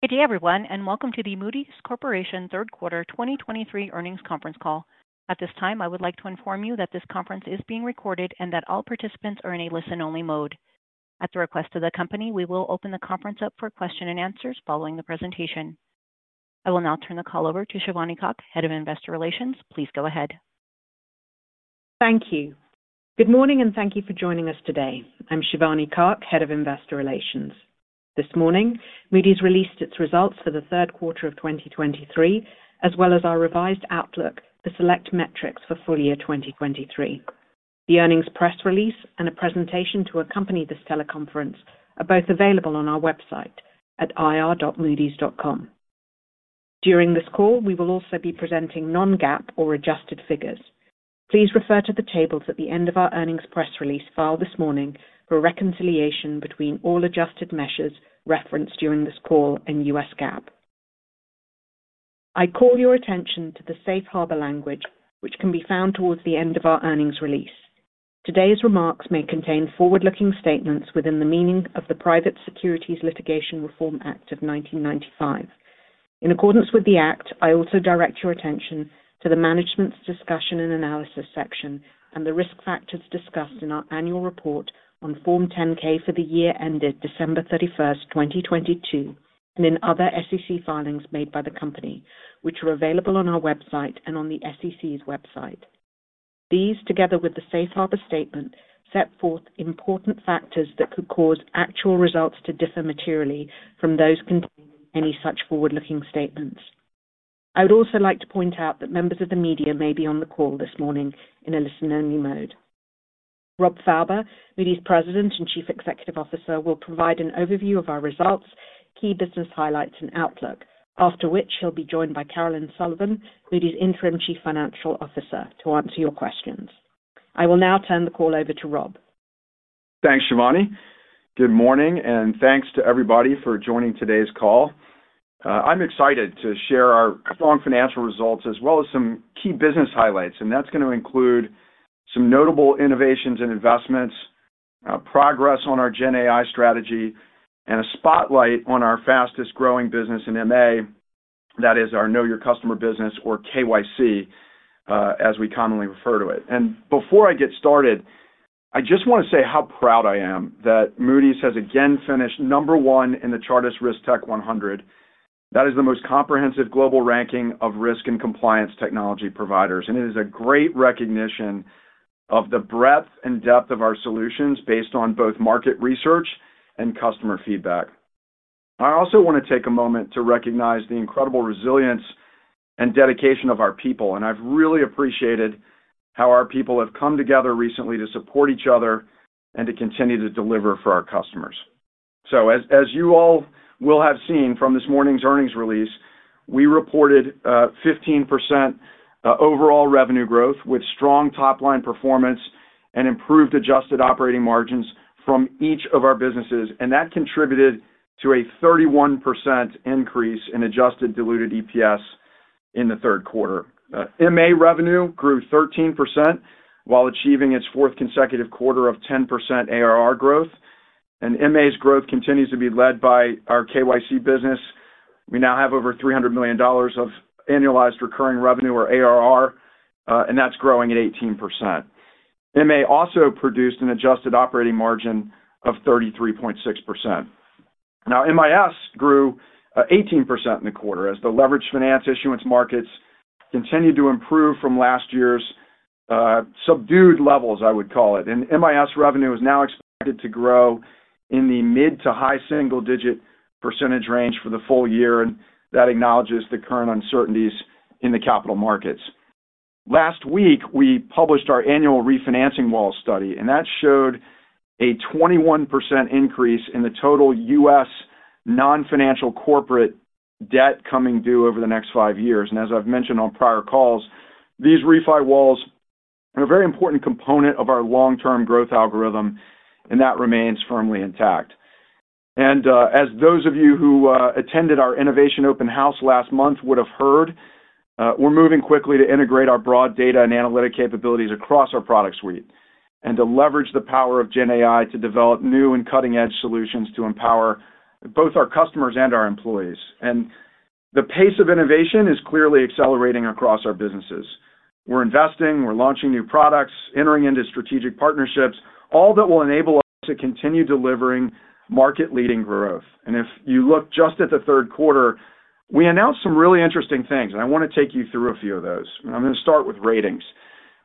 Good day, everyone, and welcome to the Moody's Corporation Third Quarter 2023 Earnings Conference Call. At this time, I would like to inform you that this conference is being recorded and that all participants are in a listen-only mode. At the request of the company, we will open the conference up for question-and-answers following the presentation. I will now turn the call over to Shivani Kak, Head of Investor Relations. Please go ahead. Thank you. Good morning, and thank you for joining us today. I'm Shivani Kak, Head of Investor Relations. This morning, Moody's released its results for the third quarter of 2023, as well as our revised outlook for select metrics for full year 2023. The earnings press release and a presentation to accompany this teleconference are both available on our website at ir.moodys.com. During this call, we will also be presenting non-GAAP or adjusted figures. Please refer to the tables at the end of our earnings press release filed this morning for a reconciliation between all adjusted measures referenced during this call in U.S. GAAP. I call your attention to the Safe Harbor language, which can be found towards the end of our earnings release. Today's remarks may contain forward-looking statements within the meaning of the Private Securities Litigation Reform Act of 1995. In accordance with the Act, I also direct your attention to the Management's Discussion and Analysis section and the risk factors discussed in our annual report on Form 10-K for the year ended December 31st, 2022, and in other SEC filings made by the company, which are available on our website and on the SEC's website. These, together with the Safe Harbor statement, set forth important factors that could cause actual results to differ materially from those contained in any such forward-looking statements. I would also like to point out that members of the media may be on the call this morning in a listen-only mode. Rob Fauber, Moody's President and Chief Executive Officer, will provide an overview of our results, key business highlights, and outlook, after which he'll be joined by Caroline Sullivan, Moody's Interim Chief Financial Officer, to answer your questions. I will now turn the call over to Rob. Thanks, Shivani. Good morning, and thanks to everybody for joining today's call. I'm excited to share our strong financial results as well as some key business highlights, and that's going to include some notable innovations and investments, progress on our GenAI strategy, and a spotlight on our fastest-growing business in MA. That is our Know Your Customer business, or KYC, as we commonly refer to it. Before I get started, I just want to say how proud I am that Moody's has again finished number one in the Chartis RiskTech100. That is the most comprehensive global ranking of risk and compliance technology providers, and it is a great recognition of the breadth and depth of our solutions based on both market research and customer feedback. I also want to take a moment to recognize the incredible resilience and dedication of our people, and I've really appreciated how our people have come together recently to support each other and to continue to deliver for our customers. So as you all will have seen from this morning's earnings release, we reported 15% overall revenue growth, with strong top-line performance and improved adjusted operating margins from each of our businesses, and that contributed to a 31% increase in adjusted diluted EPS in the third quarter. MA revenue grew 13% while achieving its fourth consecutive quarter of 10% ARR growth, and MA's growth continues to be led by our KYC business. We now have over $300 million of annualized recurring revenue, or ARR, and that's growing at 18%. MA also produced an adjusted operating margin of 33.6%. Now, MIS grew 18% in the quarter as the leveraged finance issuance markets continued to improve from last year's subdued levels, I would call it. And MIS revenue is now expected to grow in the mid- to high-single-digit percentage range for the full year, and that acknowledges the current uncertainties in the capital markets. Last week, we published our annual Refinancing Wall study, and that showed a 21% increase in the total U.S. non-financial corporate debt coming due over the next five years. And as I've mentioned on prior calls, these refi walls are a very important component of our long-term growth algorithm, and that remains firmly intact. As those of you who attended our Innovation Open House last month would have heard, we're moving quickly to integrate our broad data and analytic capabilities across our product suite and to leverage the power of GenAI to develop new and cutting-edge solutions to empower both our customers and our employees. The pace of innovation is clearly accelerating across our businesses. We're investing, we're launching new products, entering into strategic partnerships, all that will enable us to continue delivering market-leading growth. If you look just at the third quarter, we announced some really interesting things, and I want to take you through a few of those. I'm going to start with ratings.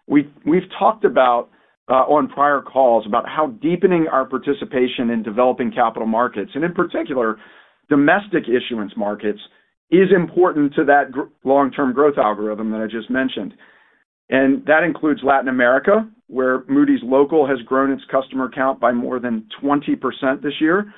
We've talked about on prior calls about how deepening our participation in developing capital markets, and in particular, domestic issuance markets, is important to that long-term growth algorithm that I just mentioned. And that includes Latin America, where Moody's Local has grown its customer count by more than 20% this year.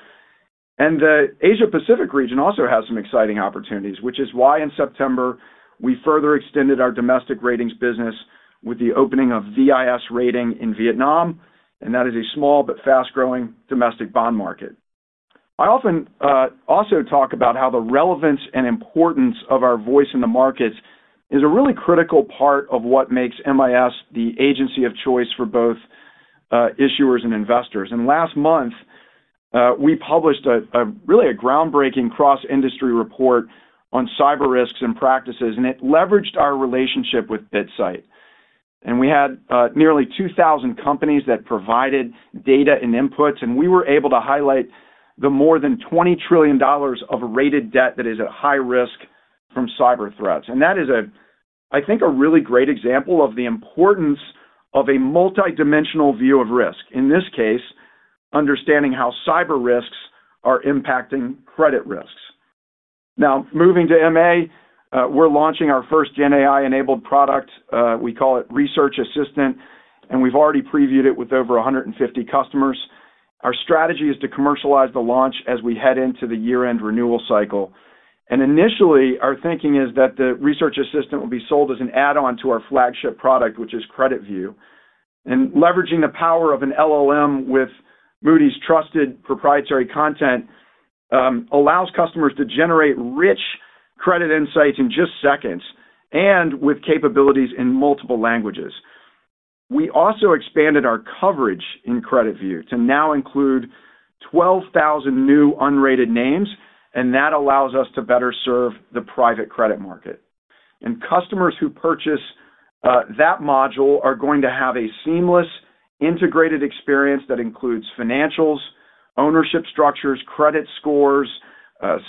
And the Asia Pacific region also has some exciting opportunities, which is why in September, we further extended our domestic ratings business with the opening of VIS Rating in Vietnam, and that is a small but fast-growing domestic bond market. I often also talk about how the relevance and importance of our voice in the markets is a really critical part of what makes MIS the agency of choice for both issuers and investors. Last month, we published a really groundbreaking cross-industry report on cyber risks and practices, and it leveraged our relationship with BitSight. We had nearly 2,000 companies that provided data and inputs, and we were able to highlight more than $20 trillion of rated debt that is at high risk from cyber threats. That is, I think, a really great example of the importance of a multidimensional view of risk. In this case, understanding how cyber risks are impacting credit risks. Now, moving to MA, we're launching our first GenAI-enabled product. We call it Research Assistant, and we've already previewed it with over 150 customers. Our strategy is to commercialize the launch as we head into the year-end renewal cycle. Initially, our thinking is that the Research Assistant will be sold as an add-on to our flagship product, which is CreditView. And leveraging the power of an LLM with Moody's trusted proprietary content allows customers to generate rich credit insights in just seconds and with capabilities in multiple languages. We also expanded our coverage in CreditView to now include 12,000 new unrated names, and that allows us to better serve the private credit market. And customers who purchase that module are going to have a seamless, integrated experience that includes financials, ownership structures, credit scores,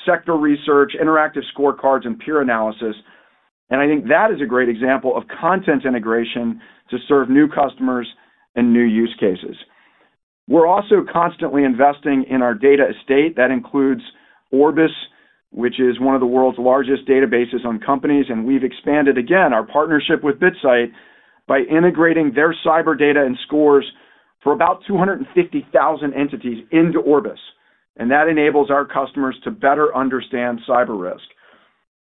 sector research, interactive scorecards, and peer analysis. And I think that is a great example of content integration to serve new customers and new use cases. We're also constantly investing in our data estate. That includes Orbis, which is one of the world's largest databases on companies, and we've expanded again our partnership with BitSight by integrating their cyber data and scores for about 250,000 entities into Orbis, and that enables our customers to better understand cyber risk.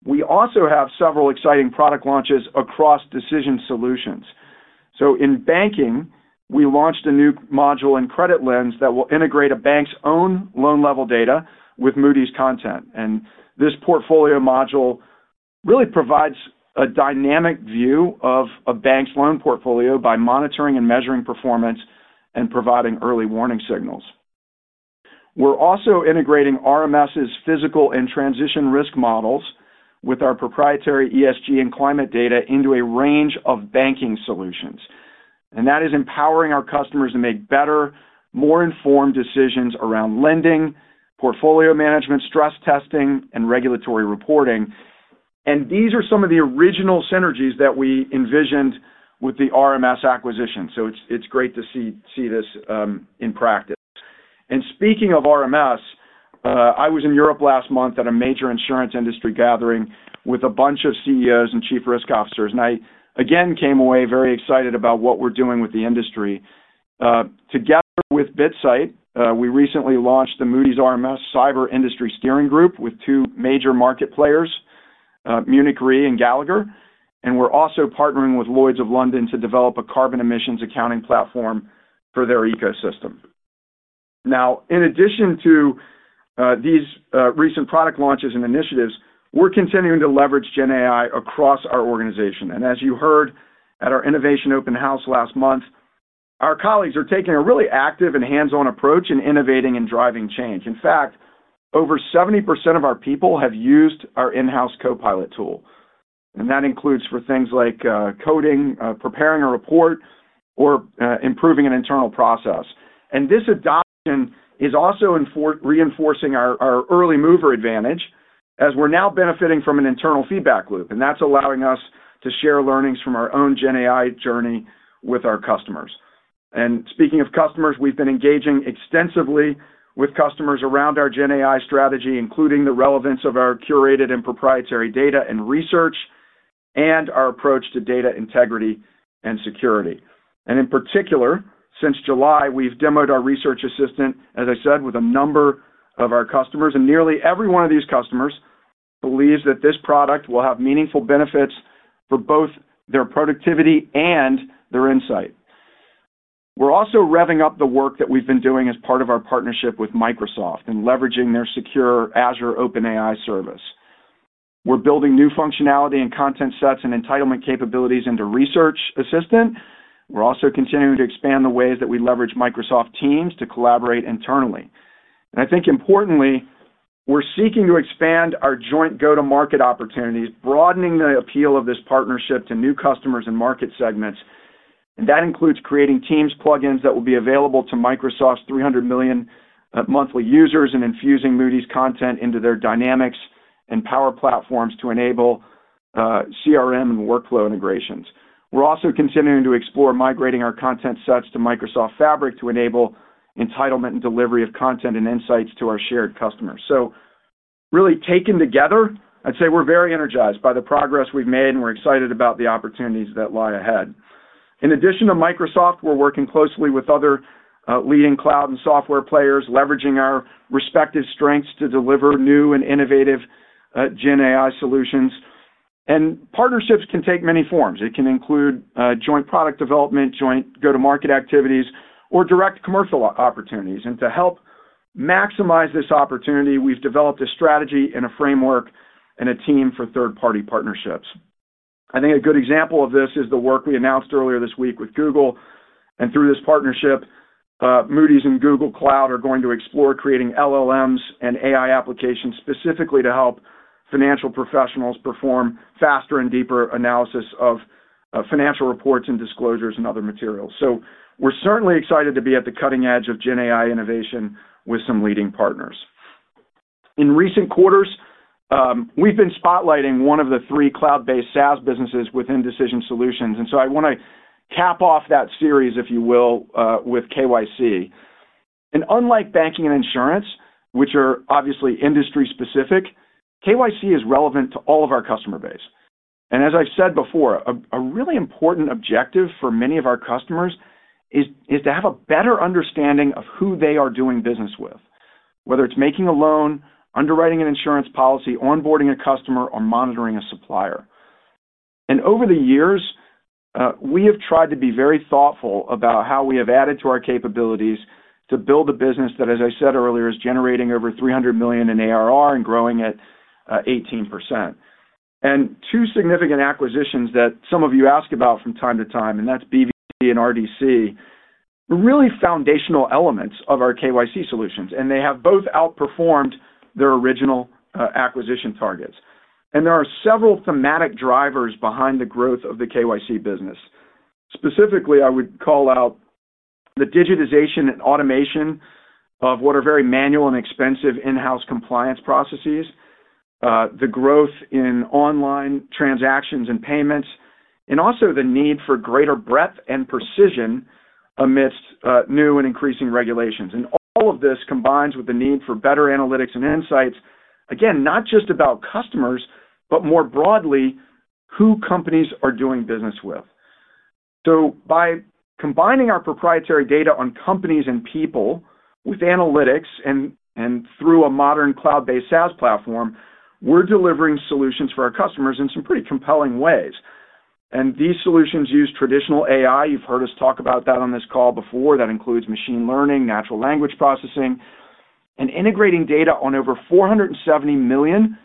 We also have several exciting product launches across Decision Solutions. In banking, we launched a new module in CreditLens that will integrate a bank's own loan-level data with Moody's content. This portfolio module really provides a dynamic view of a bank's loan portfolio by monitoring and measuring performance and providing early warning signals. We're also integrating RMS's physical and transition risk models with our proprietary ESG and climate data into a range of banking solutions. That is empowering our customers to make better, more informed decisions around lending, portfolio management, stress testing, and regulatory reporting. These are some of the original synergies that we envisioned with the RMS acquisition. It's great to see this in practice. Speaking of RMS, I was in Europe last month at a major insurance industry gathering with a bunch of CEOs and Chief Risk Officers, and I again came away very excited about what we're doing with the industry. Together with BitSight, we recently launched the Moody's RMS Cyber Industry Steering Group with two major market players, Munich Re and Gallagher, and we're also partnering with Lloyd's of London to develop a carbon emissions accounting platform for their ecosystem. Now, in addition to these recent product launches and initiatives, we're continuing to leverage GenAI across our organization. As you heard at our Innovation Open House last month, our colleagues are taking a really active and hands-on approach in innovating and driving change. In fact, over 70% of our people have used our in-house Copilot tool, and that includes for things like coding, preparing a report, or improving an internal process. This adoption is also reinforcing our early mover advantage as we're now benefiting from an internal feedback loop, and that's allowing us to share learnings from our own GenAI journey with our customers. Speaking of customers, we've been engaging extensively with customers around our GenAI strategy, including the relevance of our curated and proprietary data and research and our approach to data integrity and security. In particular, since July, we've demoed our Research Assistant, as I said, with a number of our customers, and nearly every one of these customers believes that this product will have meaningful benefits for both their productivity and their insight. We're also revving up the work that we've been doing as part of our partnership with Microsoft in leveraging their secure Azure OpenAI service. We're building new functionality and content sets and entitlement capabilities into Research Assistant. We're also continuing to expand the ways that we leverage Microsoft Teams to collaborate internally. And I think importantly, we're seeking to expand our joint go-to-market opportunities, broadening the appeal of this partnership to new customers and market segments. And that includes creating Teams plugins that will be available to Microsoft's 300 million monthly users, and infusing Moody's content into their Dynamics and Power Platforms to enable CRM and workflow integrations. We're also continuing to explore migrating our content sets to Microsoft Fabric to enable entitlement and delivery of content and insights to our shared customers. So really taken together, I'd say we're very energized by the progress we've made, and we're excited about the opportunities that lie ahead. In addition to Microsoft, we're working closely with other leading cloud and software players, leveraging our respective strengths to deliver new and innovative GenAI solutions. And partnerships can take many forms. It can include joint product development, joint go-to-market activities, or direct commercial opportunities. And to help maximize this opportunity, we've developed a strategy and a framework and a team for third-party partnerships. I think a good example of this is the work we announced earlier this week with Google. Through this partnership, Moody's and Google Cloud are going to explore creating LLMs and AI applications specifically to help financial professionals perform faster and deeper analysis of financial reports and disclosures and other materials. So we're certainly excited to be at the cutting edge of Gen AI innovation with some leading partners. In recent quarters, we've been spotlighting one of the three cloud-based SaaS businesses within Decision Solutions, and so I want to cap off that series, if you will, with KYC. Unlike banking and insurance, which are obviously industry specific, KYC is relevant to all of our customer base. And as I've said before, a really important objective for many of our customers is to have a better understanding of who they are doing business with, whether it's making a loan, underwriting an insurance policy, onboarding a customer, or monitoring a supplier. And over the years, we have tried to be very thoughtful about how we have added to our capabilities to build a business that, as I said earlier, is generating over $300 million in ARR and growing at 18%. And two significant acquisitions that some of you ask about from time to time, and that's BvD and RDC, were really foundational elements of our KYC solutions, and they have both outperformed their original acquisition targets. And there are several thematic drivers behind the growth of the KYC business. Specifically, I would call out the digitization and automation of what are very manual and expensive in-house compliance processes, the growth in online transactions and payments, and also the need for greater breadth and precision amidst, new and increasing regulations. And all of this combines with the need for better analytics and insights, again, not just about customers, but more broadly, who companies are doing business with. So by combining our proprietary data on companies and people with analytics and through a modern cloud-based SaaS platform, we're delivering solutions for our customers in some pretty compelling ways. And these solutions use traditional AI. You've heard us talk about that on this call before. That includes machine learning, natural language processing, and integrating data on over 470 million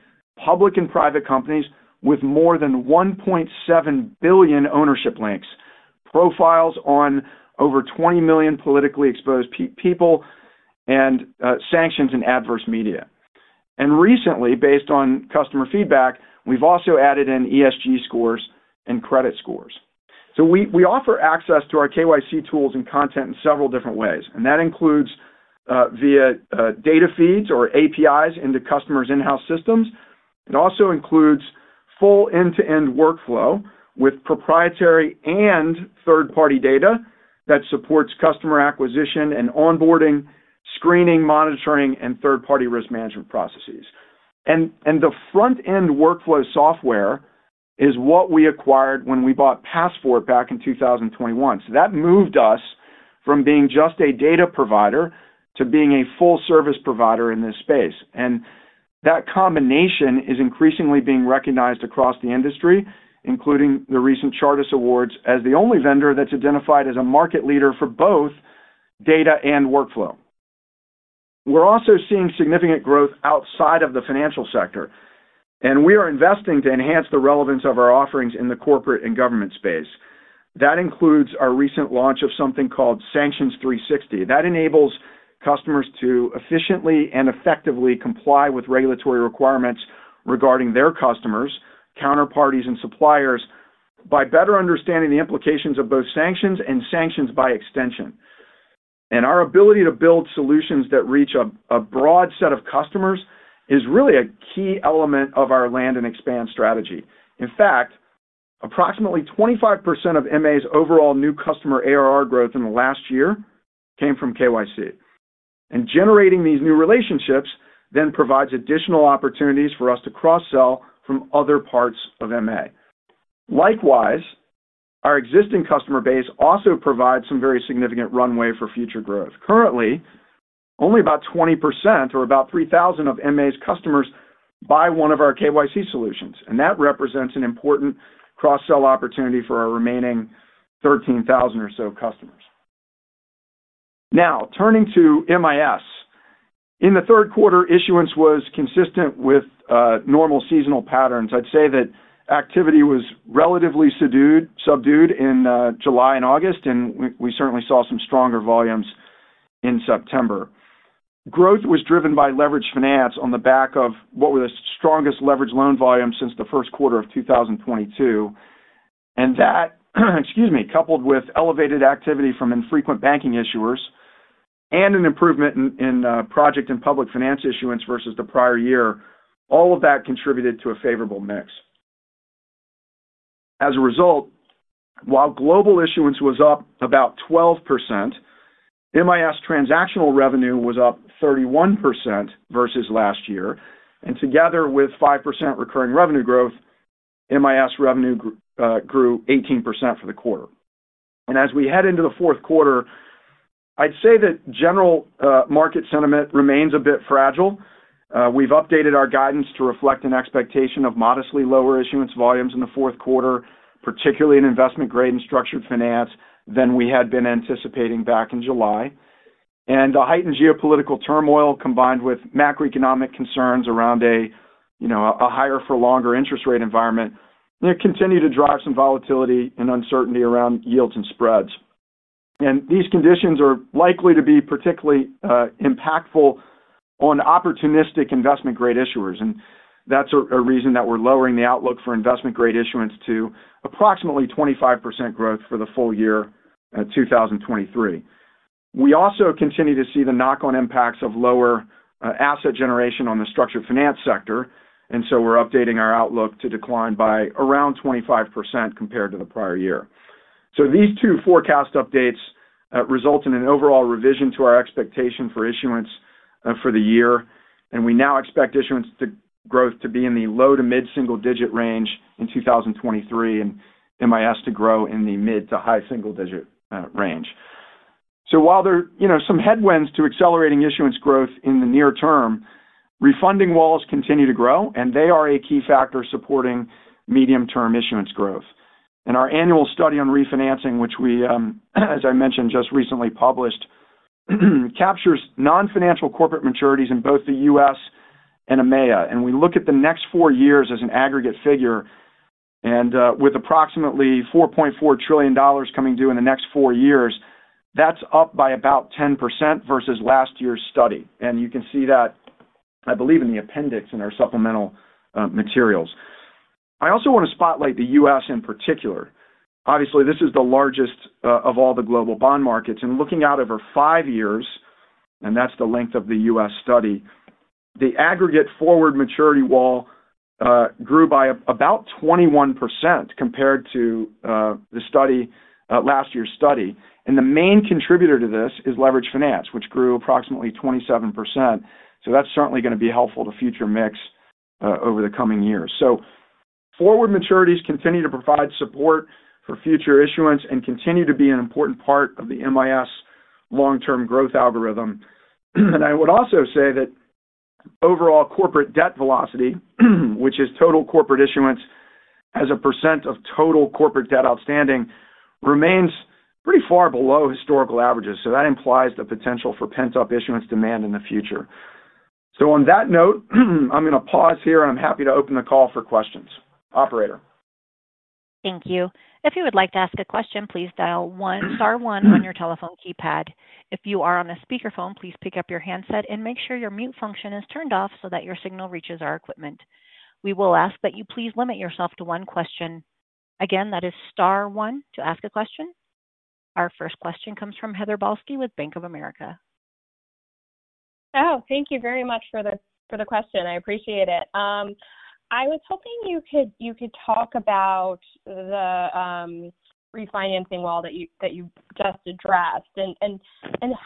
public and private companies with more than 1.7 billion ownership links, profiles on over 20 million politically exposed people, and sanctions and adverse media. And recently, based on customer feedback, we've also added in ESG scores and credit scores. So we offer access to our KYC tools and content in several different ways, and that includes via data feeds or APIs into customers' in-house systems. It also includes full end-to-end workflow with proprietary and third-party data that supports customer acquisition and onboarding, screening, monitoring, and third-party risk management processes. And the front-end workflow software is what we acquired when we bought PassFort back in 2021. So that moved us from being just a data provider to being a full service provider in this space. That combination is increasingly being recognized across the industry, including the recent Chartis Awards, as the only vendor that's identified as a market leader for both data and workflow. We're also seeing significant growth outside of the financial sector, and we are investing to enhance the relevance of our offerings in the corporate and government space. That includes our recent launch of something called Sanctions360. That enables customers to efficiently and effectively comply with regulatory requirements regarding their customers, counterparties, and suppliers by better understanding the implications of both sanctions and sanctions by extension. Our ability to build solutions that reach a broad set of customers is really a key element of our land and expand strategy. In fact, approximately 25% of MA's overall new customer ARR growth in the last year came from KYC. Generating these new relationships then provides additional opportunities for us to cross-sell from other parts of MA. Likewise, our existing customer base also provides some very significant runway for future growth. Currently, only about 20% or about 3,000 of MA's customers buy one of our KYC solutions, and that represents an important cross-sell opportunity for our remaining 13,000 or so customers. Now, turning to MIS. In the third quarter, issuance was consistent with normal seasonal patterns. I'd say that activity was relatively subdued in July and August, and we certainly saw some stronger volumes in September. Growth was driven by leveraged finance on the back of what were the strongest leveraged loan volumes since the first quarter of 2022, and that, excuse me, coupled with elevated activity from infrequent banking issuers and an improvement in project and public finance issuance versus the prior year, all of that contributed to a favorable mix. As a result, while global issuance was up about 12%, MIS transactional revenue was up 31% versus last year, and together with 5% recurring revenue growth, MIS revenue grew 18% for the quarter. As we head into the fourth quarter, I'd say that general market sentiment remains a bit fragile. We've updated our guidance to reflect an expectation of modestly lower issuance volumes in the fourth quarter, particularly in investment grade and Structured Finance, than we had been anticipating back in July, and a heightened geopolitical turmoil combined with macroeconomic concerns around a, you know, a higher for longer interest rate environment, they continue to drive some volatility and uncertainty around yields and spreads. And these conditions are likely to be particularly impactful on opportunistic investment grade issuers, and that's a reason that we're lowering the outlook for investment grade issuance to approximately 25% growth for the full year, 2023. We also continue to see the knock-on impacts of lower asset generation on the Structured Finance sector, and so we're updating our outlook to decline by around 25% compared to the prior year. So these two forecast updates result in an overall revision to our expectation for issuance for the year. And we now expect issuance growth to be in the low- to mid-single-digit range in 2023, and MIS to grow in the mid- to high-single-digit range. So while there are, you know, some headwinds to accelerating issuance growth in the near term, refinancing walls continue to grow, and they are a key factor supporting medium-term issuance growth. And our annual study on refinancing, which we, as I mentioned, just recently published, captures non-financial corporate maturities in both the U.S. and EMEA. And we look at the next four years as an aggregate figure, and with approximately $4.4 trillion coming due in the next four years, that's up by about 10% versus last year's study. You can see that, I believe, in the appendix in our supplemental materials. I also want to spotlight the U.S. in particular. Obviously, this is the largest of all the global bond markets, and looking out over five years, and that's the length of the U.S. study, the aggregate forward maturity wall grew by about 21% compared to the study last year's study. The main contributor to this is leveraged finance, which grew approximately 27%. That's certainly going to be helpful to future mix over the coming years. Forward maturities continue to provide support for future issuance and continue to be an important part of the MIS long-term growth algorithm. I would also say that overall corporate debt velocity, which is total corporate issuance as a percent of total corporate debt outstanding, remains pretty far below historical averages. That implies the potential for pent-up issuance demand in the future. On that note, I'm going to pause here, and I'm happy to open the call for questions. Operator? Thank you. If you would like to ask a question, please dial one, star one on your telephone keypad. If you are on a speakerphone, please pick up your handset and make sure your mute function is turned off so that your signal reaches our equipment. We will ask that you please limit yourself to one question. Again, that is star one to ask a question. Our first question comes from Heather Balsky with Bank of America. Oh, thank you very much for the question. I appreciate it. I was hoping you could talk about the refinancing wall that you just addressed and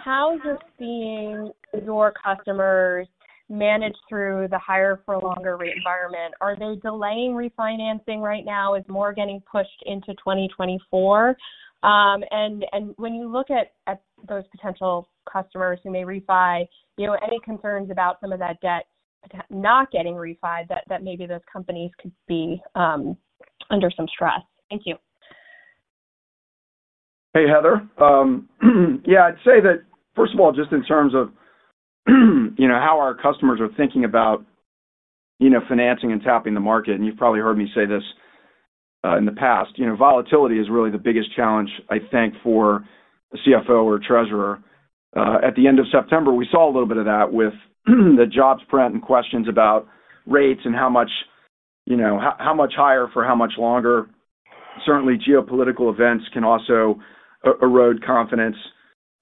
how you're seeing your customers manage through the higher for longer rate environment. Are they delaying refinancing right now? Is more getting pushed into 2024? And when you look at those potential customers who may refi, you know, any concerns about some of that debt not getting refi, that maybe those companies could be under some stress? Thank you. Hey, Heather. Yeah, I'd say that, first of all, just in terms of, you know, how our customers are thinking about, you know, financing and tapping the market, and you've probably heard me say this in the past, you know, volatility is really the biggest challenge, I think, for a CFO or treasurer. At the end of September, we saw a little bit of that with the jobs print and questions about rates and how much, you know, how much higher for how much longer. Certainly, geopolitical events can also erode confidence.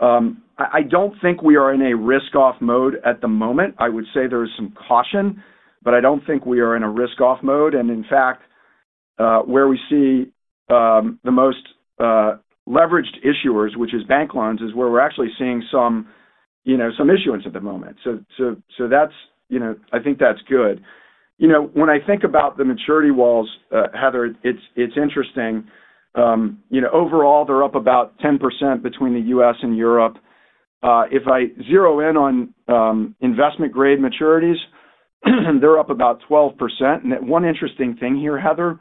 I don't think we are in a risk-off mode at the moment. I would say there is some caution, but I don't think we are in a risk-off mode. In fact, where we see the most leveraged issuers, which is bank loans, is where we're actually seeing some, you know, some issuance at the moment. So that's... You know, I think that's good. You know, when I think about the maturity walls, Heather, it's interesting. You know, overall, they're up about 10% between the U.S. and Europe. If I zero in on investment-grade maturities, they're up about 12%. And one interesting thing here, Heather,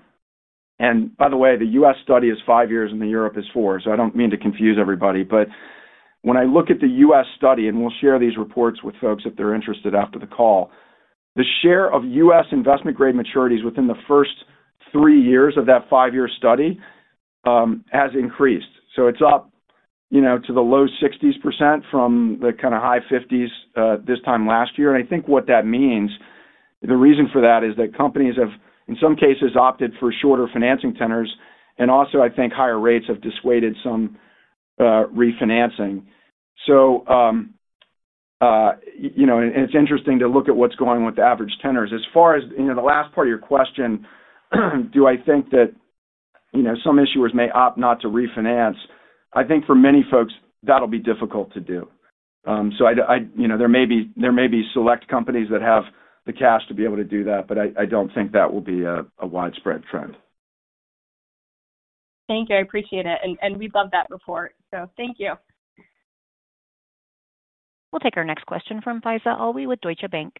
and by the way, the U.S. study is five years, and the Europe is four, so I don't mean to confuse everybody. But when I look at the U.S. study, and we'll share these reports with folks if they're interested after the call, the share of U.S. investment-grade maturities within the first three years of that five year study has increased. So it's up, you know, to the low 60s% from the kind of high 50s, this time last year. I think what that means, the reason for that, is that companies have, in some cases, opted for shorter financing tenors, and also, I think higher rates have dissuaded some refinancing. So, you know, and it's interesting to look at what's going on with the average tenors. As far as, you know, the last part of your question, do I think that, you know, some issuers may opt not to refinance? I think for many folks, that'll be difficult to do. So I'd, you know, there may be, there may be select companies that have the cash to be able to do that, but I, I don't think that will be a, a widespread trend. Thank you. I appreciate it, and we love that report. So thank you. We'll take our next question from Faiza Alwy with Deutsche Bank.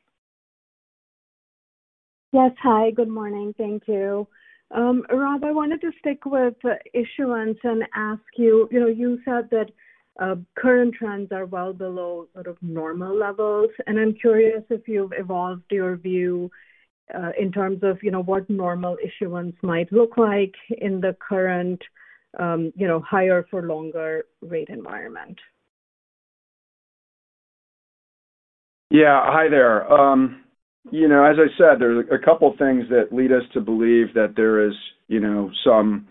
Yes. Hi, good morning. Thank you. Rob, I wanted to stick with issuance and ask you, you know, you said that current trends are well below sort of normal levels, and I'm curious if you've evolved your view in terms of, you know, what normal issuance might look like in the current, you know, higher for longer rate environment. Yeah. Hi there. You know, as I said, there's a couple things that lead us to believe that there is, you know, some,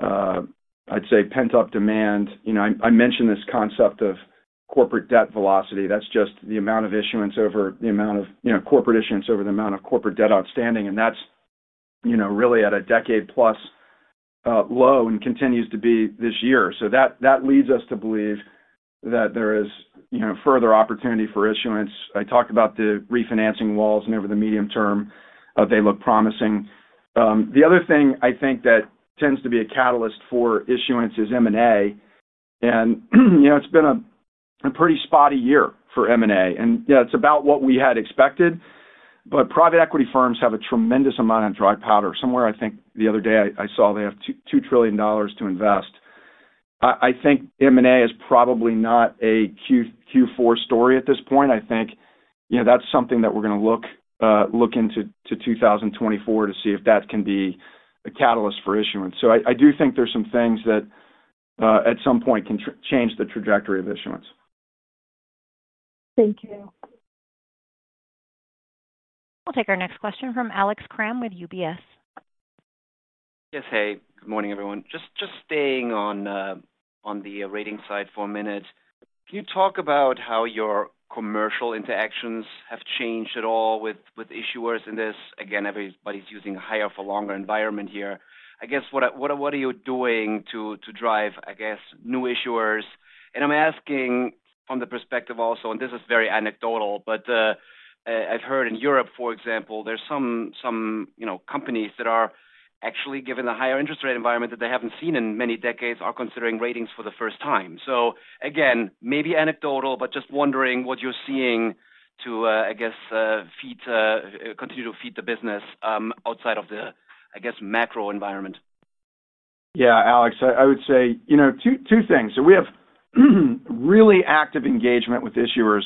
I'd say pent-up demand. You know, I mentioned this concept of corporate debt velocity. That's just the amount of corporate issuance over the amount of corporate debt outstanding, and that's, you know, really at a decade-plus low and continues to be this year. So that leads us to believe that there is, you know, further opportunity for issuance. I talked about the refinancing walls and over the medium term, they look promising. The other thing I think that tends to be a catalyst for issuance is M&A. You know, it's been a pretty spotty year for M&A, and yeah, it's about what we had expected. But private equity firms have a tremendous amount of dry powder. Somewhere, I think the other day, I saw they have $2 trillion to invest. I think M&A is probably not a Q4 story at this point. I think, you know, that's something that we're going to look, look into 2024 to see if that can be a catalyst for issuance. So, I do think there's some things that, at some point can change the trajectory of issuance. Thank you. We'll take our next question from Alex Kramm with UBS. Yes, hey, good morning, everyone. Just staying on, on the rating side for a minute. Can you talk about how your commercial interactions have changed at all with issuers in this? Again, everybody's using higher for longer environment here. I guess, what are, what are you doing to, to drive, I guess, new issuers? And I'm asking from the perspective also, and this is very anecdotal, but, I've heard in Europe, for example, there's some, some, you know, companies that are actually given a higher interest rate environment that they haven't seen in many decades, are considering ratings for the first time. So again, maybe anecdotal, but just wondering what you're seeing to, I guess, feed, continue to feed the business, outside of the, I guess, macro environment. Yeah, Alex, I would say, you know, two things. So we have really active engagement with issuers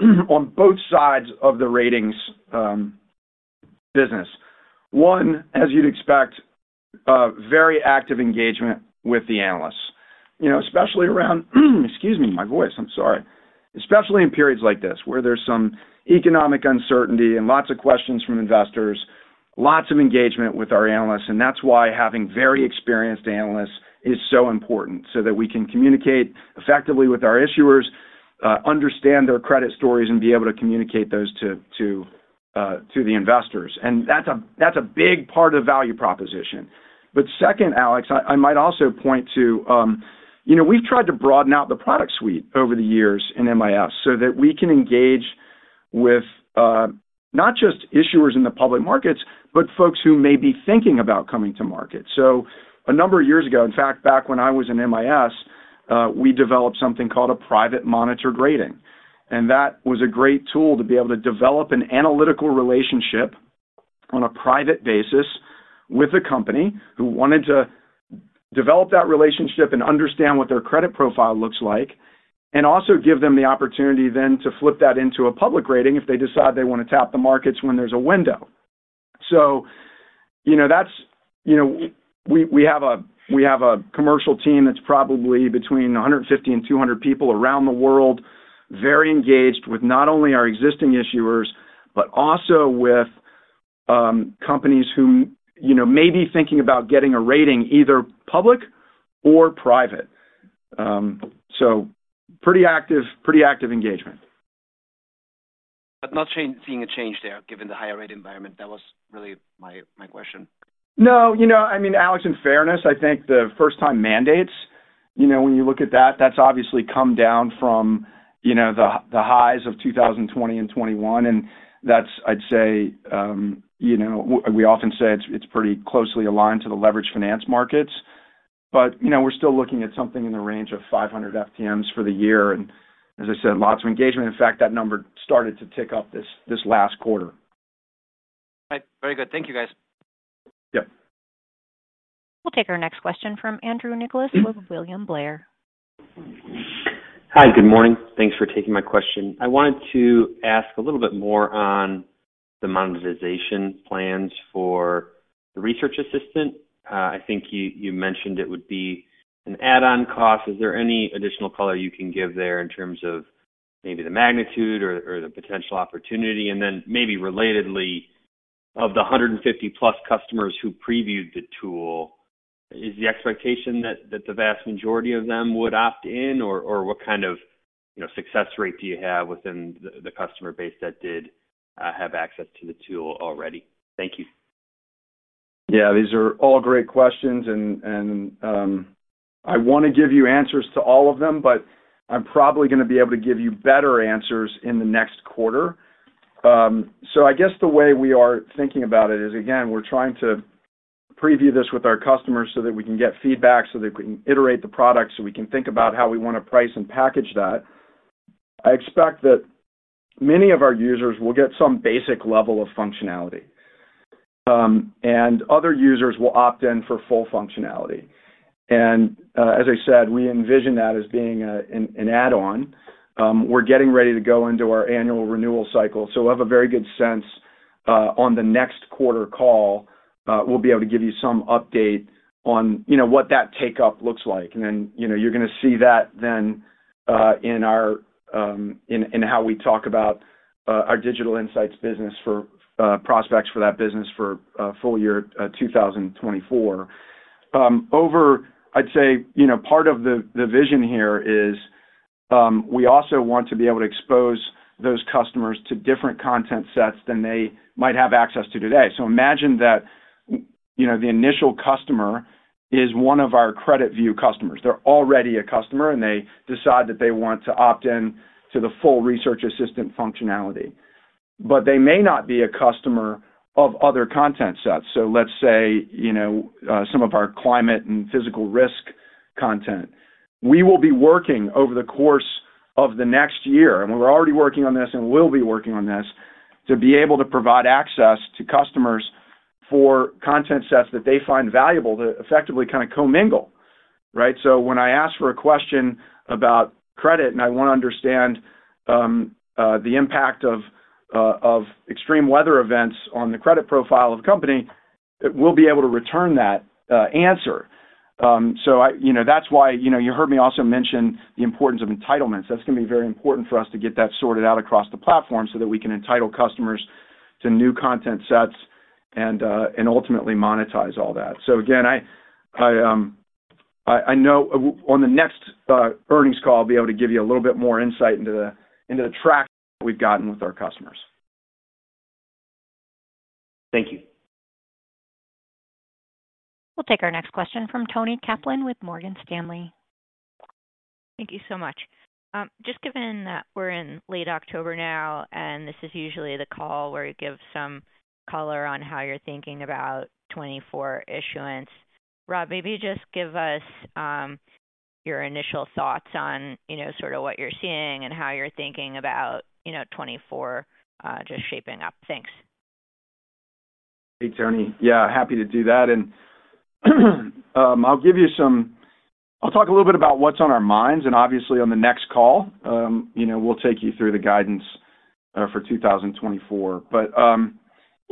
on both sides of the ratings business. One, as you'd expect, very active engagement with the analysts. You know, especially around, excuse me, my voice, I'm sorry. Especially in periods like this, where there's some economic uncertainty and lots of questions from investors, lots of engagement with our analysts, and that's why having very experienced analysts is so important, so that we can communicate effectively with our issuers, understand their credit stories, and be able to communicate those to the investors. And that's a big part of the value proposition. But second, Alex, I might also point to, you know, we've tried to broaden out the product suite over the years in MIS so that we can engage with, not just issuers in the public markets, but folks who may be thinking about coming to market. So a number of years ago, in fact, back when I was in MIS, we developed something called a private monitoring rating, and that was a great tool to be able to develop an analytical relationship on a private basis with a company who wanted to develop that relationship and understand what their credit profile looks like, and also give them the opportunity then to flip that into a public rating if they decide they want to tap the markets when there's a window. So you know, we have a commercial team that's probably between 150 and 200 people around the world, very engaged with not only our existing issuers, but also with companies who, you know, may be thinking about getting a rating, either public or private. So pretty active, pretty active engagement. But seeing a change there, given the higher rate environment. That was really my, my question. No, you know, I mean, Alex, in fairness, I think the first time mandates, you know, when you look at that, that's obviously come down from, you know, the, the highs of 2020 and 2021, and that's I'd say, you know, we often say it's, it's pretty closely aligned to the leverage finance markets. But, you know, we're still looking at something in the range of 500 FTMs for the year, and as I said, lots of engagement. In fact, that number started to tick up this, this last quarter. Right. Very good. Thank you, guys. Yep. We'll take our next question from Andrew Nicholas with William Blair. Hi, good morning. Thanks for taking my question. I wanted to ask a little bit more on the monetization plans for the Research Assistant. I think you mentioned it would be an add-on cost. Is there any additional color you can give there in terms of maybe the magnitude or the potential opportunity? And then maybe relatedly, of the 150+ customers who previewed the tool, is the expectation that the vast majority of them would opt in, or what kind of, you know, success rate do you have within the customer base that did have access to the tool already? Thank you. Yeah, these are all great questions. I want to give you answers to all of them, but I'm probably going to be able to give you better answers in the next quarter. So I guess the way we are thinking about it is, again, we're trying to preview this with our customers so that we can get feedback, so that we can iterate the product, so we can think about how we want to price and package that. I expect that many of our users will get some basic level of functionality, and other users will opt in for full functionality. As I said, we envision that as being an add-on. We're getting ready to go into our annual renewal cycle, so we'll have a very good sense on the next quarter call. We'll be able to give you some update on, you know, what that take-up looks like. And then, you know, you're going to see that then in our how we talk about our digital insights business for prospects for that business for full year 2024. I'd say, you know, part of the vision here is we also want to be able to expose those customers to different content sets than they might have access to today. So imagine that, you know, the initial customer is one of our CreditView customers. They're already a customer, and they decide that they want to opt in to the full Research Assistant functionality. But they may not be a customer of other content sets. So let's say, you know, some of our climate and physical risk content. We will be working over the course of the next year, and we're already working on this, and will be working on this, to be able to provide access to customers for content sets that they find valuable, to effectively kind of commingle, right? So when I ask for a question about credit, and I want to understand the impact of extreme weather events on the credit profile of the company, it will be able to return that answer. You know, that's why, you know, you heard me also mention the importance of entitlements. That's going to be very important for us to get that sorted out across the platform, so that we can entitle customers to new content sets and ultimately monetize all that. So again, I know on the next earnings call, I'll be able to give you a little bit more insight into the traction we've gotten with our customers. Thank you. We'll take our next question from Toni Kaplan with Morgan Stanley. Thank you so much. Just given that we're in late October now, and this is usually the call where you give some color on how you're thinking about 2024 issuance. Rob, maybe just give us your initial thoughts on, you know, sort of what you're seeing and how you're thinking about, you know, 2024 just shaping up. Thanks. Hey, Toni. Yeah, happy to do that. And, I'll talk a little bit about what's on our minds, and obviously, on the next call, you know, we'll take you through the guidance for 2024. But, you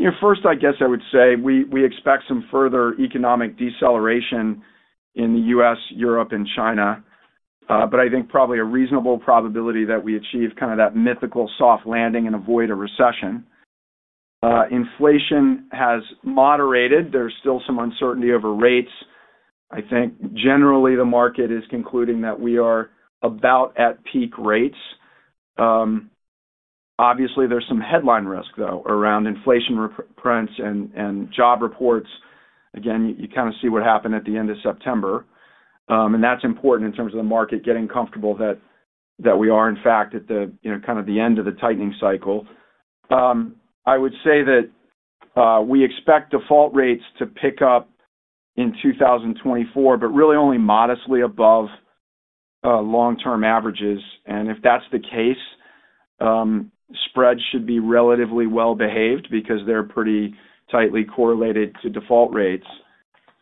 know, first, I guess I would say we expect some further economic deceleration in the U.S., Europe, and China, but I think probably a reasonable probability that we achieve kind of that mythical soft landing and avoid a recession. Inflation has moderated. There's still some uncertainty over rates. I think generally, the market is concluding that we are about at peak rates. Obviously, there's some headline risk, though, around inflation prints and job reports. Again, you kind of see what happened at the end of September. And that's important in terms of the market getting comfortable that we are, in fact, at the, you know, kind of the end of the tightening cycle. I would say that we expect default rates to pick up in 2024, but really only modestly above long-term averages. And if that's the case, spreads should be relatively well behaved because they're pretty tightly correlated to default rates.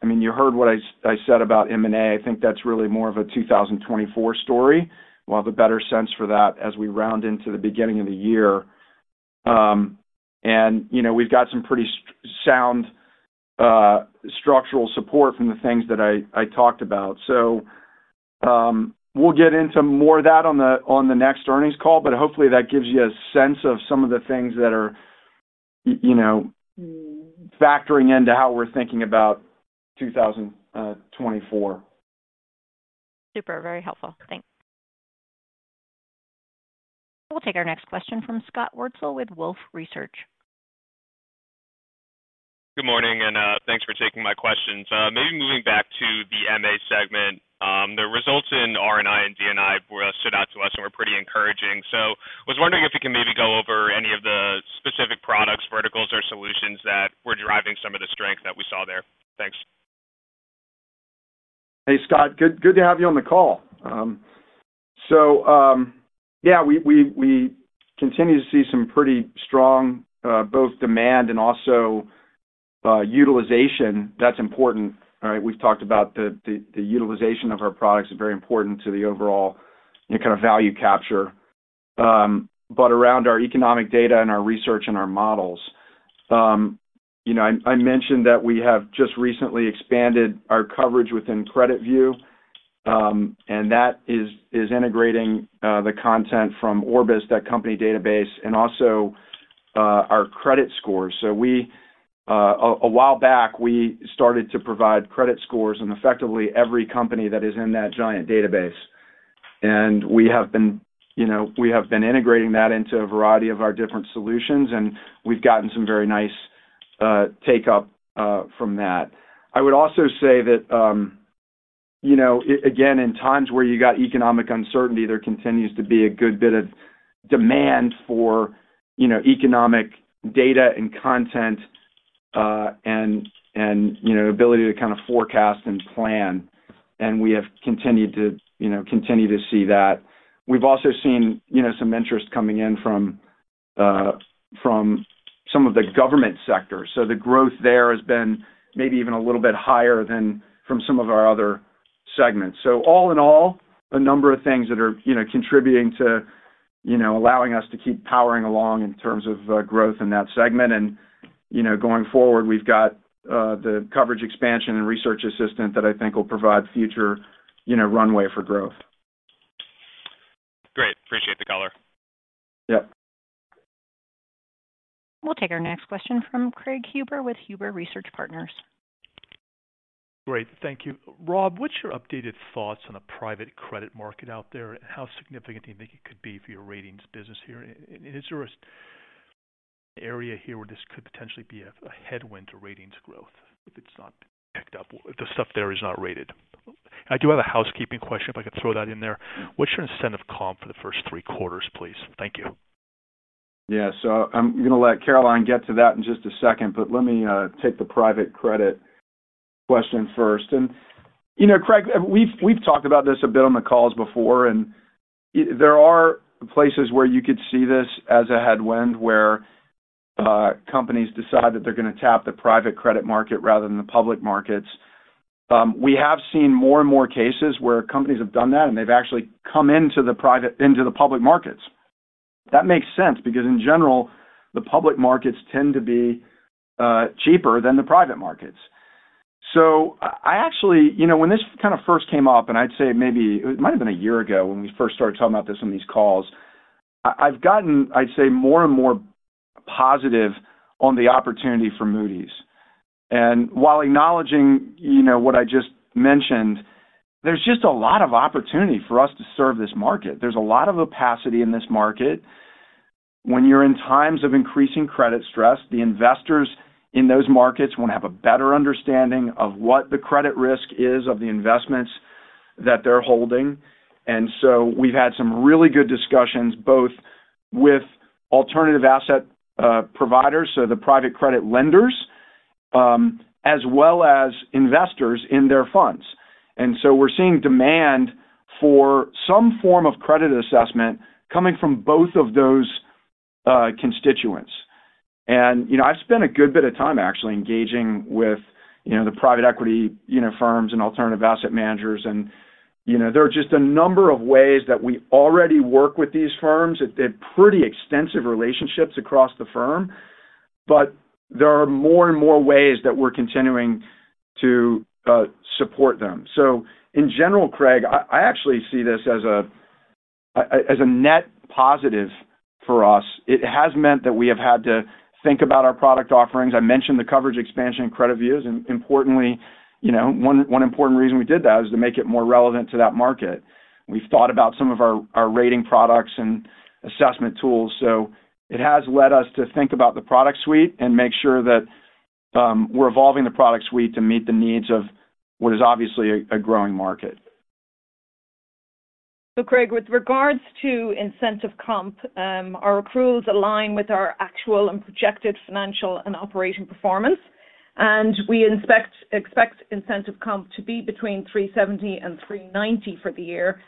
I mean, you heard what I said about M&A. I think that's really more of a 2024 story. We'll have a better sense for that as we round into the beginning of the year. And, you know, we've got some pretty strong structural support from the things that I talked about. So, we'll get into more of that on the next earnings call, but hopefully, that gives you a sense of some of the things that are, you know, factoring into how we're thinking about 2024. Super, very helpful. Thanks. We'll take our next question from Scott Wurtzel with Wolfe Research. Good morning, and thanks for taking my questions. Maybe moving back to the MA segment. The results in R&I and D&I stood out to us and were pretty encouraging. So I was wondering if you can maybe go over any of the specific products, verticals, or solutions that were driving some of the strength that we saw there. Thanks. Hey, Scott, good to have you on the call. So, yeah, we continue to see some pretty strong both demand and also utilization. That's important, all right? We've talked about the utilization of our products is very important to the overall kind of value capture. But around our economic data and our research and our models, you know, I mentioned that we have just recently expanded our coverage within CreditView, and that is integrating the content from Orbis, that company database, and also our credit scores. A while back, we started to provide credit scores, and effectively, every company that is in that giant database. We have been integrating that into a variety of our different solutions, and we've gotten some very nice take-up from that. I would also say that, you know, again, in times where you got economic uncertainty, there continues to be a good bit of demand for, you know, economic data and content, and, you know, ability to kind of forecast and plan, and we have continued to, you know, continue to see that. We've also seen, you know, some interest coming in from some of the government sectors. So the growth there has been maybe even a little bit higher than from some of our other segments. So all in all, a number of things that are, you know, contributing to, you know, allowing us to keep powering along in terms of growth in that segment. You know, going forward, we've got the coverage expansion and Research Assistant that I think will provide future, you know, runway for growth. Great. Appreciate the color. Yep. We'll take our next question from Craig Huber with Huber Research Partners. Great. Thank you. Rob, what's your updated thoughts on the private credit market out there? How significant do you think it could be for your ratings business here? And is there an area here where this could potentially be a headwind to ratings growth if it's not picked up, if the stuff there is not rated? I do have a housekeeping question, if I could throw that in there. What's your incentive comp for the first three quarters, please? Thank you. Yeah. So I'm gonna let Caroline get to that in just a second, but let me take the private credit question first. And, you know, Craig, we've talked about this a bit on the calls before, and there are places where you could see this as a headwind, where companies decide that they're gonna tap the private credit market rather than the public markets. We have seen more and more cases where companies have done that, and they've actually come into the public markets. That makes sense, because in general, the public markets tend to be cheaper than the private markets. So I actually, you know, when this kind of first came up, and I'd say maybe it might have been a year ago when we first started talking about this on these calls, I've gotten, I'd say, more and more positive on the opportunity for Moody's. And while acknowledging, you know, what I just mentioned, there's just a lot of opportunity for us to serve this market. There's a lot of opacity in this market. When you're in times of increasing credit stress, the investors in those markets want to have a better understanding of what the credit risk is of the investments that they're holding. And so we've had some really good discussions, both with alternative asset providers, so the private credit lenders, as well as investors in their funds. We're seeing demand for some form of credit assessment coming from both of those constituents. You know, I've spent a good bit of time actually engaging with you know, the private equity you know, firms and alternative asset managers. You know, there are just a number of ways that we already work with these firms. They're pretty extensive relationships across the firm, but there are more and more ways that we're continuing to support them. So in general, Craig, I actually see this as a net positive for us. It has meant that we have had to think about our product offerings. I mentioned the coverage expansion and CreditView, and importantly, you know, one important reason we did that is to make it more relevant to that market. We've thought about some of our rating products and assessment tools. So it has led us to think about the product suite and make sure that we're evolving the product suite to meet the needs of what is obviously a growing market. So Craig, with regards to incentive comp, our accruals align with our actual and projected financial and operating performance, and we expect incentive comp to be between $370 million and $390 million for the year,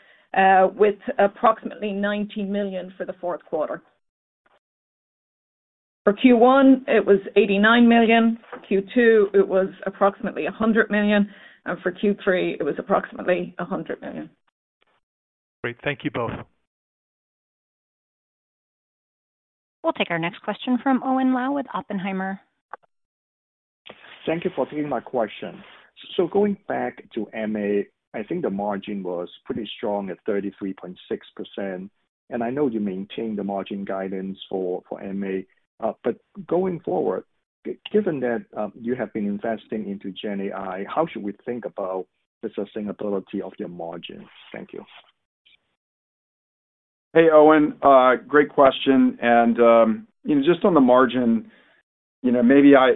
with approximately $90 million for the fourth quarter. For Q1, it was $89 million. Q2, it was approximately $100 million, and for Q3, it was approximately $100 million. Great. Thank you both. We'll take our next question from Owen Lau with Oppenheimer. Thank you for taking my question. So going back to MA, I think the margin was pretty strong at 33.6%, and I know you maintained the margin guidance for MA. But going forward, given that, you have been investing into GenAI, how should we think about the sustainability of your margins? Thank you. Hey, Owen, great question, and, you know, just on the margin, you know,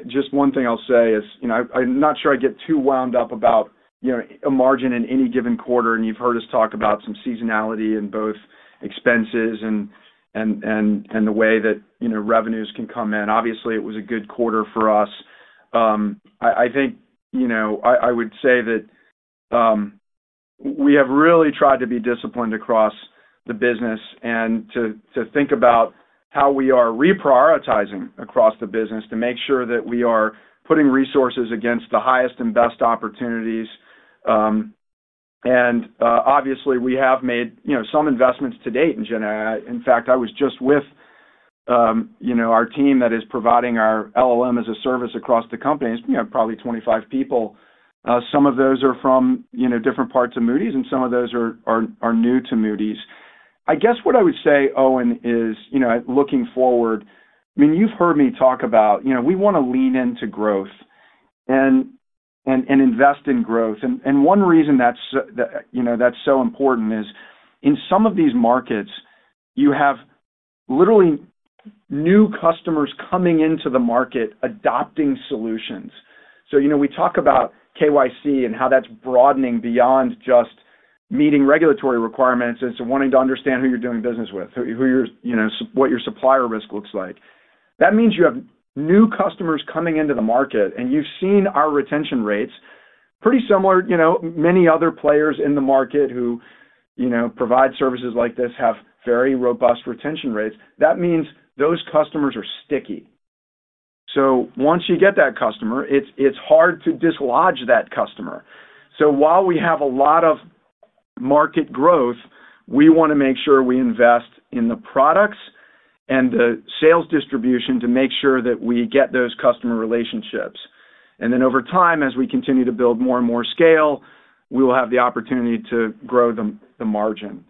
just one thing I'll say is, you know, I'm not sure I get too wound up about, you know, a margin in any given quarter, and you've heard us talk about some seasonality in both expenses and the way that, you know, revenues can come in. Obviously, it was a good quarter for us. I think, you know, I would say that, we have really tried to be disciplined across the business and to think about how we are reprioritizing across the business to make sure that we are putting resources against the highest and best opportunities. Obviously, we have made, you know, some investments to date in GenAI. In fact, I was just with, you know, our team that is providing our LLM as a service across the company, you know, probably 25 people. Some of those are from, you know, different parts of Moody's, and some of those are new to Moody's. I guess what I would say, Owen, is, you know, looking forward, I mean, you've heard me talk about, you know, we want to lean into growth and invest in growth. And one reason that's, you know, that's so important is in some of these markets, you have literally new customers coming into the market adopting solutions. So, you know, we talk about KYC and how that's broadening beyond just meeting regulatory requirements and so wanting to understand who you're doing business with, who you're, you know, what your supplier risk looks like. That means you have new customers coming into the market, and you've seen our retention rates pretty similar. You know, many other players in the market who, you know, provide services like this have very robust retention rates. That means those customers are sticky. So once you get that customer, it's hard to dislodge that customer. So while we have a lot of market growth, we want to make sure we invest in the products and the sales distribution to make sure that we get those customer relationships. And then over time, as we continue to build more and more scale, we will have the opportunity to grow the margin.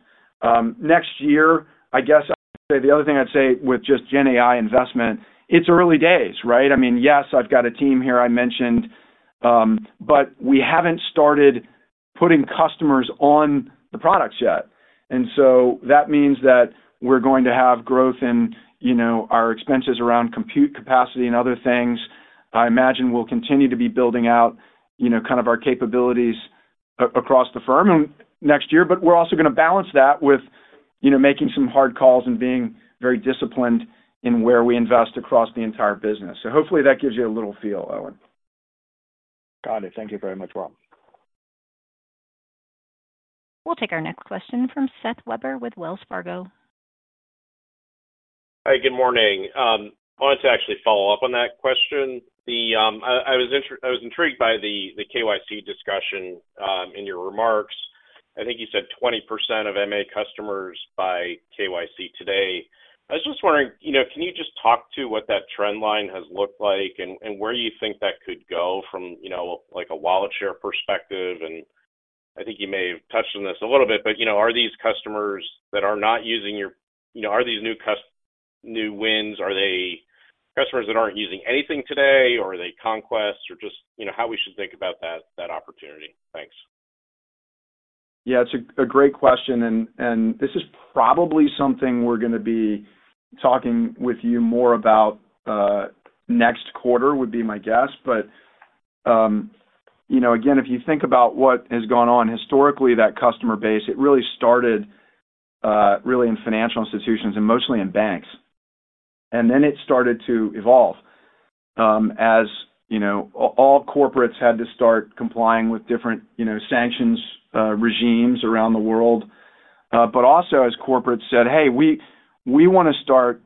Next year, I guess the other thing I'd say with just GenAI investment, it's early days, right? I mean, yes, I've got a team here I mentioned, but we haven't started putting customers on the products yet. And so that means that we're going to have growth in, you know, our expenses around compute capacity and other things. I imagine we'll continue to be building out, you know, kind of our capabilities across the firm next year. But we're also going to balance that with, you know, making some hard calls and being very disciplined in where we invest across the entire business. So hopefully that gives you a little feel, Owen. Got it. Thank you very much, Rob. We'll take our next question from Seth Weber with Wells Fargo. Hi, good morning. I wanted to actually follow up on that question. I was intrigued by the KYC discussion in your remarks. I think you said 20% of MA customers buy KYC today. I was just wondering, you know, can you just talk to what that trend line has looked like and where you think that could go from, you know, like, a wallet share perspective? And I think you may have touched on this a little bit, but, you know, are these customers that are not using your -- you know, are these new wins, are they customers that aren't using anything today, or are they conquests? Or just, you know, how we should think about that opportunity? Thanks. Yeah, it's a great question, and this is probably something we're going to be talking with you more about, next quarter, would be my guess. But, you know, again, if you think about what has gone on historically, that customer base, it really started, really in financial institutions and mostly in banks. And then it started to evolve, as, you know, all corporates had to start complying with different, you know, sanctions, regimes around the world. But also, as corporates said, "Hey, we want to start."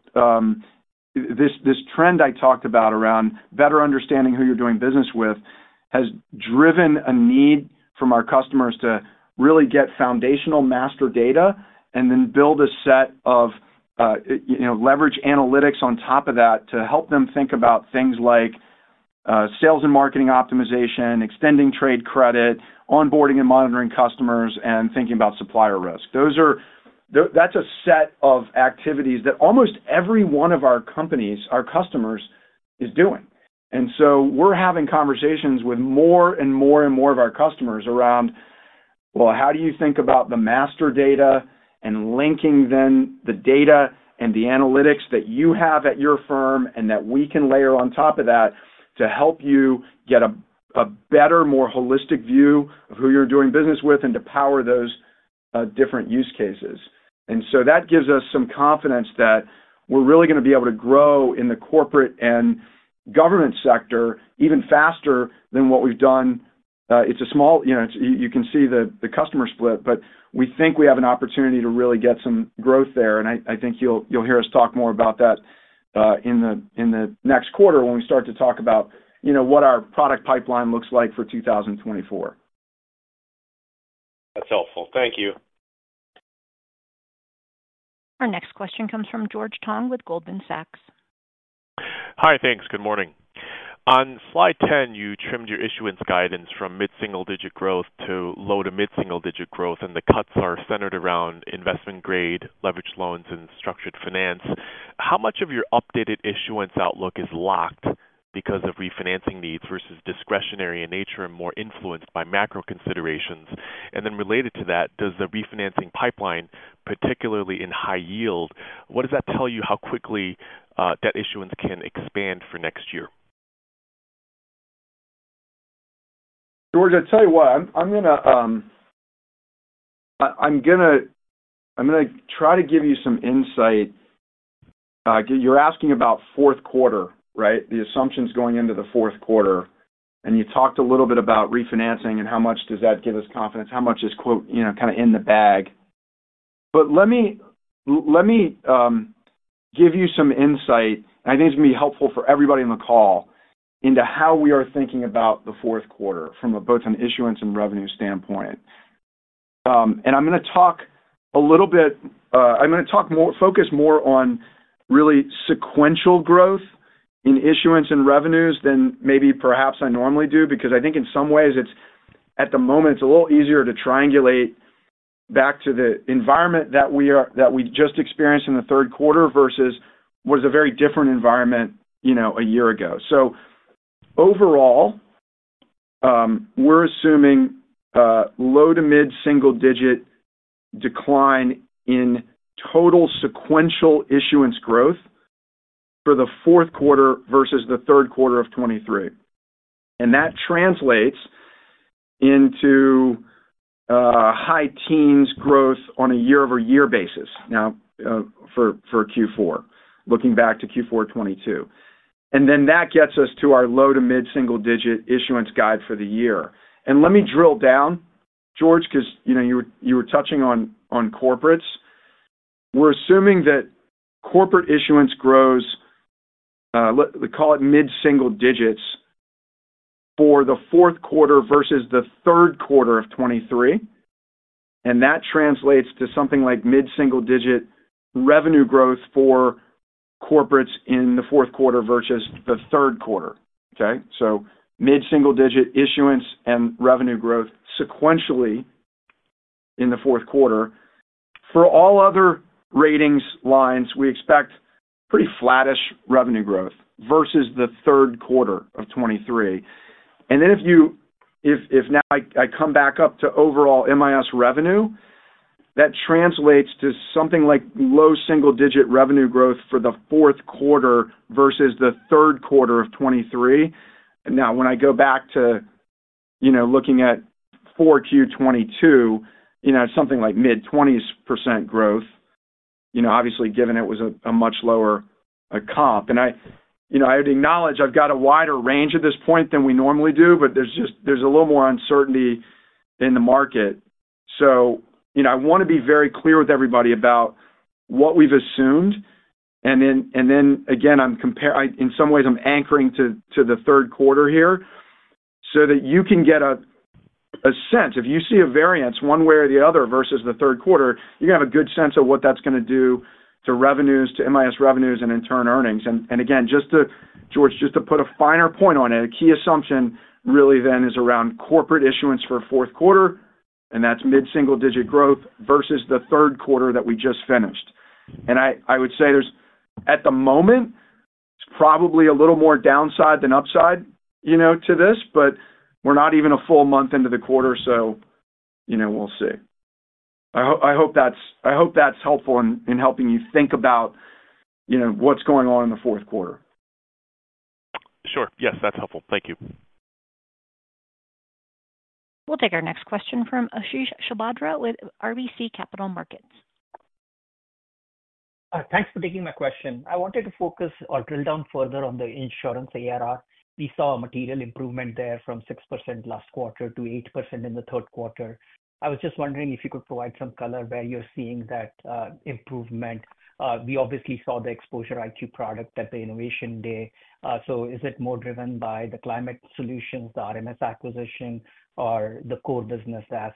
This trend I talked about around better understanding who you're doing business with has driven a need from our customers to really get foundational master data and then build a set of, you know, leverage analytics on top of that to help them think about things like sales and marketing optimization, extending trade credit, onboarding and monitoring customers, and thinking about supplier risk. Those are. That's a set of activities that almost every one of our companies, our customers, is doing. And so we're having conversations with more and more and more of our customers around, well, how do you think about the master data and linking then the data and the analytics that you have at your firm, and that we can layer on top of that to help you get a better, more holistic view of who you're doing business with, and to power those different use cases? And so that gives us some confidence that we're really going to be able to grow in the corporate and government sector even faster than what we've done. It's a small...You know, you can see the customer split, but we think we have an opportunity to really get some growth there, and I think you'll hear us talk more about that in the next quarter when we start to talk about, you know, what our product pipeline looks like for 2024. That's helpful. Thank you. Our next question comes from George Tong with Goldman Sachs. Hi. Thanks. Good morning. On slide 10, you trimmed your issuance guidance from mid-single-digit growth to low to mid-single-digit growth, and the cuts are centered around investment-grade leveraged loans and structured finance. How much of your updated issuance outlook is locked because of refinancing needs versus discretionary in nature and more influenced by macro considerations? And then related to that, does the refinancing pipeline, particularly in high yield, what does that tell you how quickly, debt issuance can expand for next year? George, I tell you what, I'm going to try to give you some insight. You're asking about fourth quarter, right? The assumptions going into the fourth quarter. And you talked a little bit about refinancing and how much does that give us confidence, how much is, quote, you know, kind of in the bag. But let me give you some insight, and I think it's going to be helpful for everybody on the call, into how we are thinking about the fourth quarter from both an issuance and revenue standpoint. And I'm going to talk more, focus more on really sequential growth in issuance and revenues than maybe perhaps I normally do, because I think in some ways, at the moment, it's a little easier to triangulate back to the environment that we are, that we just experienced in the third quarter versus was a very different environment, you know, a year ago. So overall, we're assuming low- to mid-single-digit decline in total sequential issuance growth for the fourth quarter versus the third quarter of 2023. And that translates into high-teens growth on a year-over-year basis now for Q4, looking back to Q4 2022. And then that gets us to our low- to mid-single-digit issuance guide for the year. Let me drill down, George, because, you know, you were touching on corporates. We're assuming that corporate issuance grows, let's call it mid-single digits for the fourth quarter versus the third quarter of 2023, and that translates to something like mid-single digit revenue growth for corporates in the fourth quarter versus the third quarter, okay? So mid-single digit issuance and revenue growth sequentially in the fourth quarter. For all other ratings lines, we expect pretty flattish revenue growth versus the third quarter of 2023. And then if now I come back up to overall MIS revenue, that translates to something like low single-digit revenue growth for the fourth quarter versus the third quarter of 2023. Now, when I go back to, you know, looking at for Q22, you know, something like mid-20s% growth, you know, obviously given it was a much lower comp. And I, you know, I would acknowledge I've got a wider range at this point than we normally do, but there's just a little more uncertainty in the market. So, you know, I want to be very clear with everybody about what we've assumed. And then again, in some ways, I'm anchoring to the third quarter here so that you can get a sense. If you see a variance one way or the other versus the third quarter, you're going to have a good sense of what that's going to do to revenues, to MIS revenues and in turn, earnings. And again, just to George, just to put a finer point on it, a key assumption really then is around corporate issuance for fourth quarter, and that's mid-single digit growth versus the third quarter that we just finished. And I would say there's, at the moment, it's probably a little more downside than upside, you know, to this, but we're not even a full month into the quarter, so, you know, we'll see. I hope that's helpful in helping you think about, you know, what's going on in the fourth quarter. Sure. Yes, that's helpful. Thank you. We'll take our next question from Ashish Sabadra with RBC Capital Markets. Thanks for taking my question. I wanted to focus or drill down further on the insurance ARR. We saw a material improvement there from 6% last quarter to 8% in the third quarter. I was just wondering if you could provide some color where you're seeing that improvement. We obviously saw the ExposureIQ product at the Innovation Day. So is it more driven by the climate solutions, the RMS acquisition, or the core business as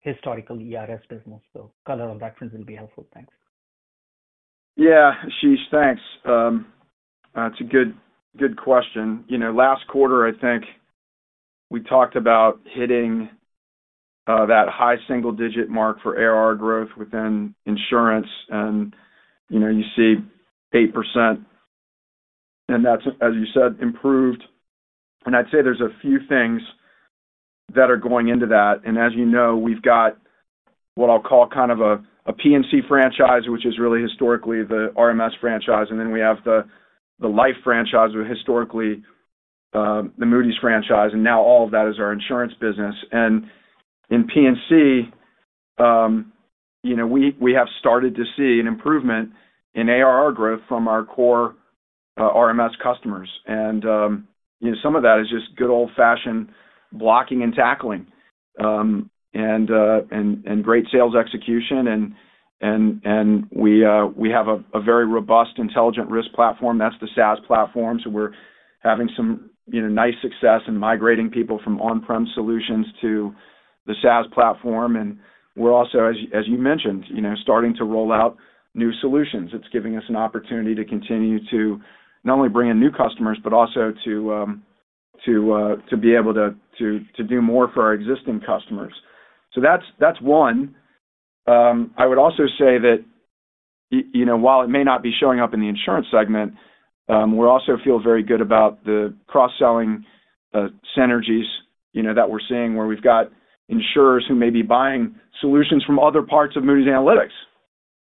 historical ERS business? So color on that front will be helpful. Thanks. Yeah, Ashish, thanks. It's a good, good question. You know, last quarter, I think we talked about hitting that high single-digit mark for ARR growth within insurance, and, you know, you see 8%, and that's, as you said, improved. And I'd say there's a few things that are going into that. And as you know, we've got what I'll call kind of a P&C franchise, which is really historically the RMS franchise, and then we have the life franchise, or historically the Moody's franchise, and now all of that is our insurance business. And in P&C, you know, we have started to see an improvement in ARR growth from our core RMS customers. And you know, some of that is just good old-fashioned blocking and tackling and great sales execution. We have a very robust Intelligent Risk Platform. That's the SaaS platform. So we're having some, you know, nice success in migrating people from on-prem solutions to the SaaS platform. And we're also, as you mentioned, you know, starting to roll out new solutions. It's giving us an opportunity to continue to not only bring in new customers, but also to be able to do more for our existing customers. So that's one. I would also say that, you know, while it may not be showing up in the insurance segment, we also feel very good about the cross-selling synergies, you know, that we're seeing where we've got insurers who may be buying solutions from other parts of Moody's Analytics.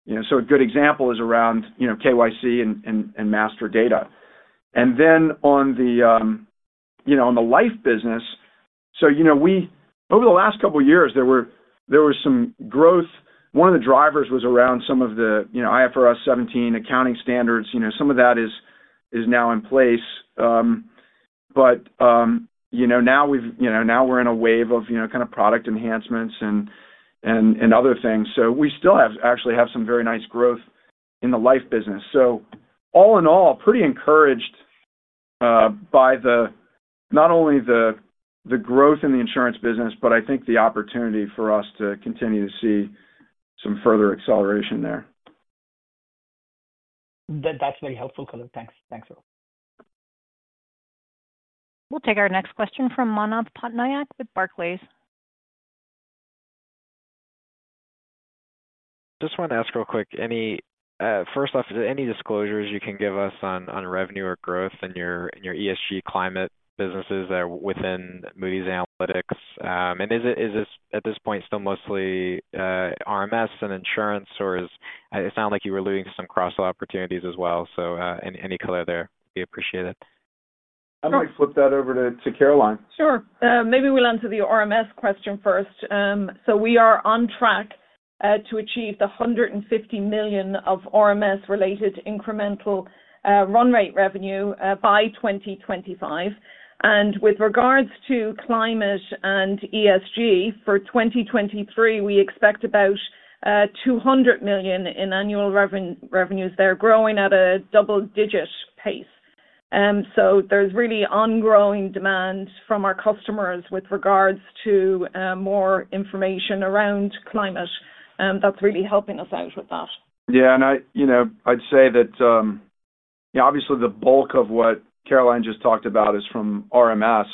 You know, so a good example is around, you know, KYC and master data. And then on the life business, so, you know, over the last couple of years, there was some growth. One of the drivers was around some of the, you know, IFRS 17 accounting standards. You know, some of that is now in place. But you know, now we've, you know, now we're in a wave of, you know, kind of product enhancements and other things. So we still have, actually, some very nice growth in the life business. So all in all, pretty encouraged by not only the growth in the insurance business, but I think the opportunity for us to continue to see some further acceleration there. That's very helpful color. Thanks. Thanks a lot. We'll take our next question from Manav Patnaik with Barclays. Just want to ask real quick, first off, any disclosures you can give us on revenue or growth in your ESG climate businesses that are within Moody's Analytics? And is it at this point still mostly RMS and insurance, or is, it sounded like you were alluding to some cross-sell opportunities as well. So, any color there, be appreciated? I'm going to flip that over to Caroline. Sure. Maybe we'll answer the RMS question first. So we are on track to achieve the $150 million of RMS-related incremental run rate revenue by 2025. And with regards to climate and ESG for 2023, we expect about $200 million in annual revenues there, growing at a double-digit pace. So there's really ongoing demand from our customers with regards to more information around climate, and that's really helping us out with that. Yeah, and I, you know, I'd say that obviously the bulk of what Caroline just talked about is from RMS.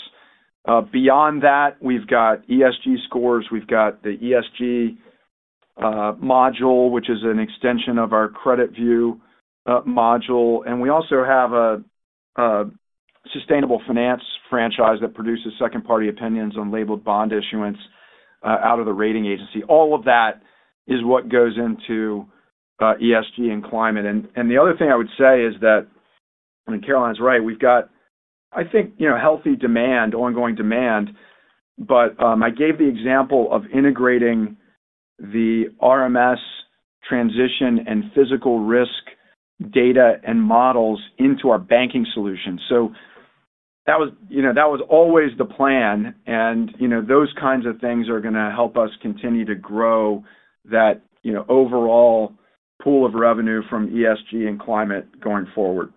Beyond that, we've got ESG scores, we've got the ESG module, which is an extension of our CreditView module. And we also have a sustainable finance franchise that produces Second-Party Opinions on labeled bond issuance out of the rating agency. All of that is what goes into ESG and climate. And the other thing I would say is that, I mean, Caroline's right. We've got, I think, you know, healthy demand, ongoing demand, but I gave the example of integrating the RMS transition and physical risk data and models into our banking solution. So that was, you know, that was always the plan and, you know, those kinds of things are going to help us continue to grow that, you know, overall pool of revenue from ESG and climate going forward.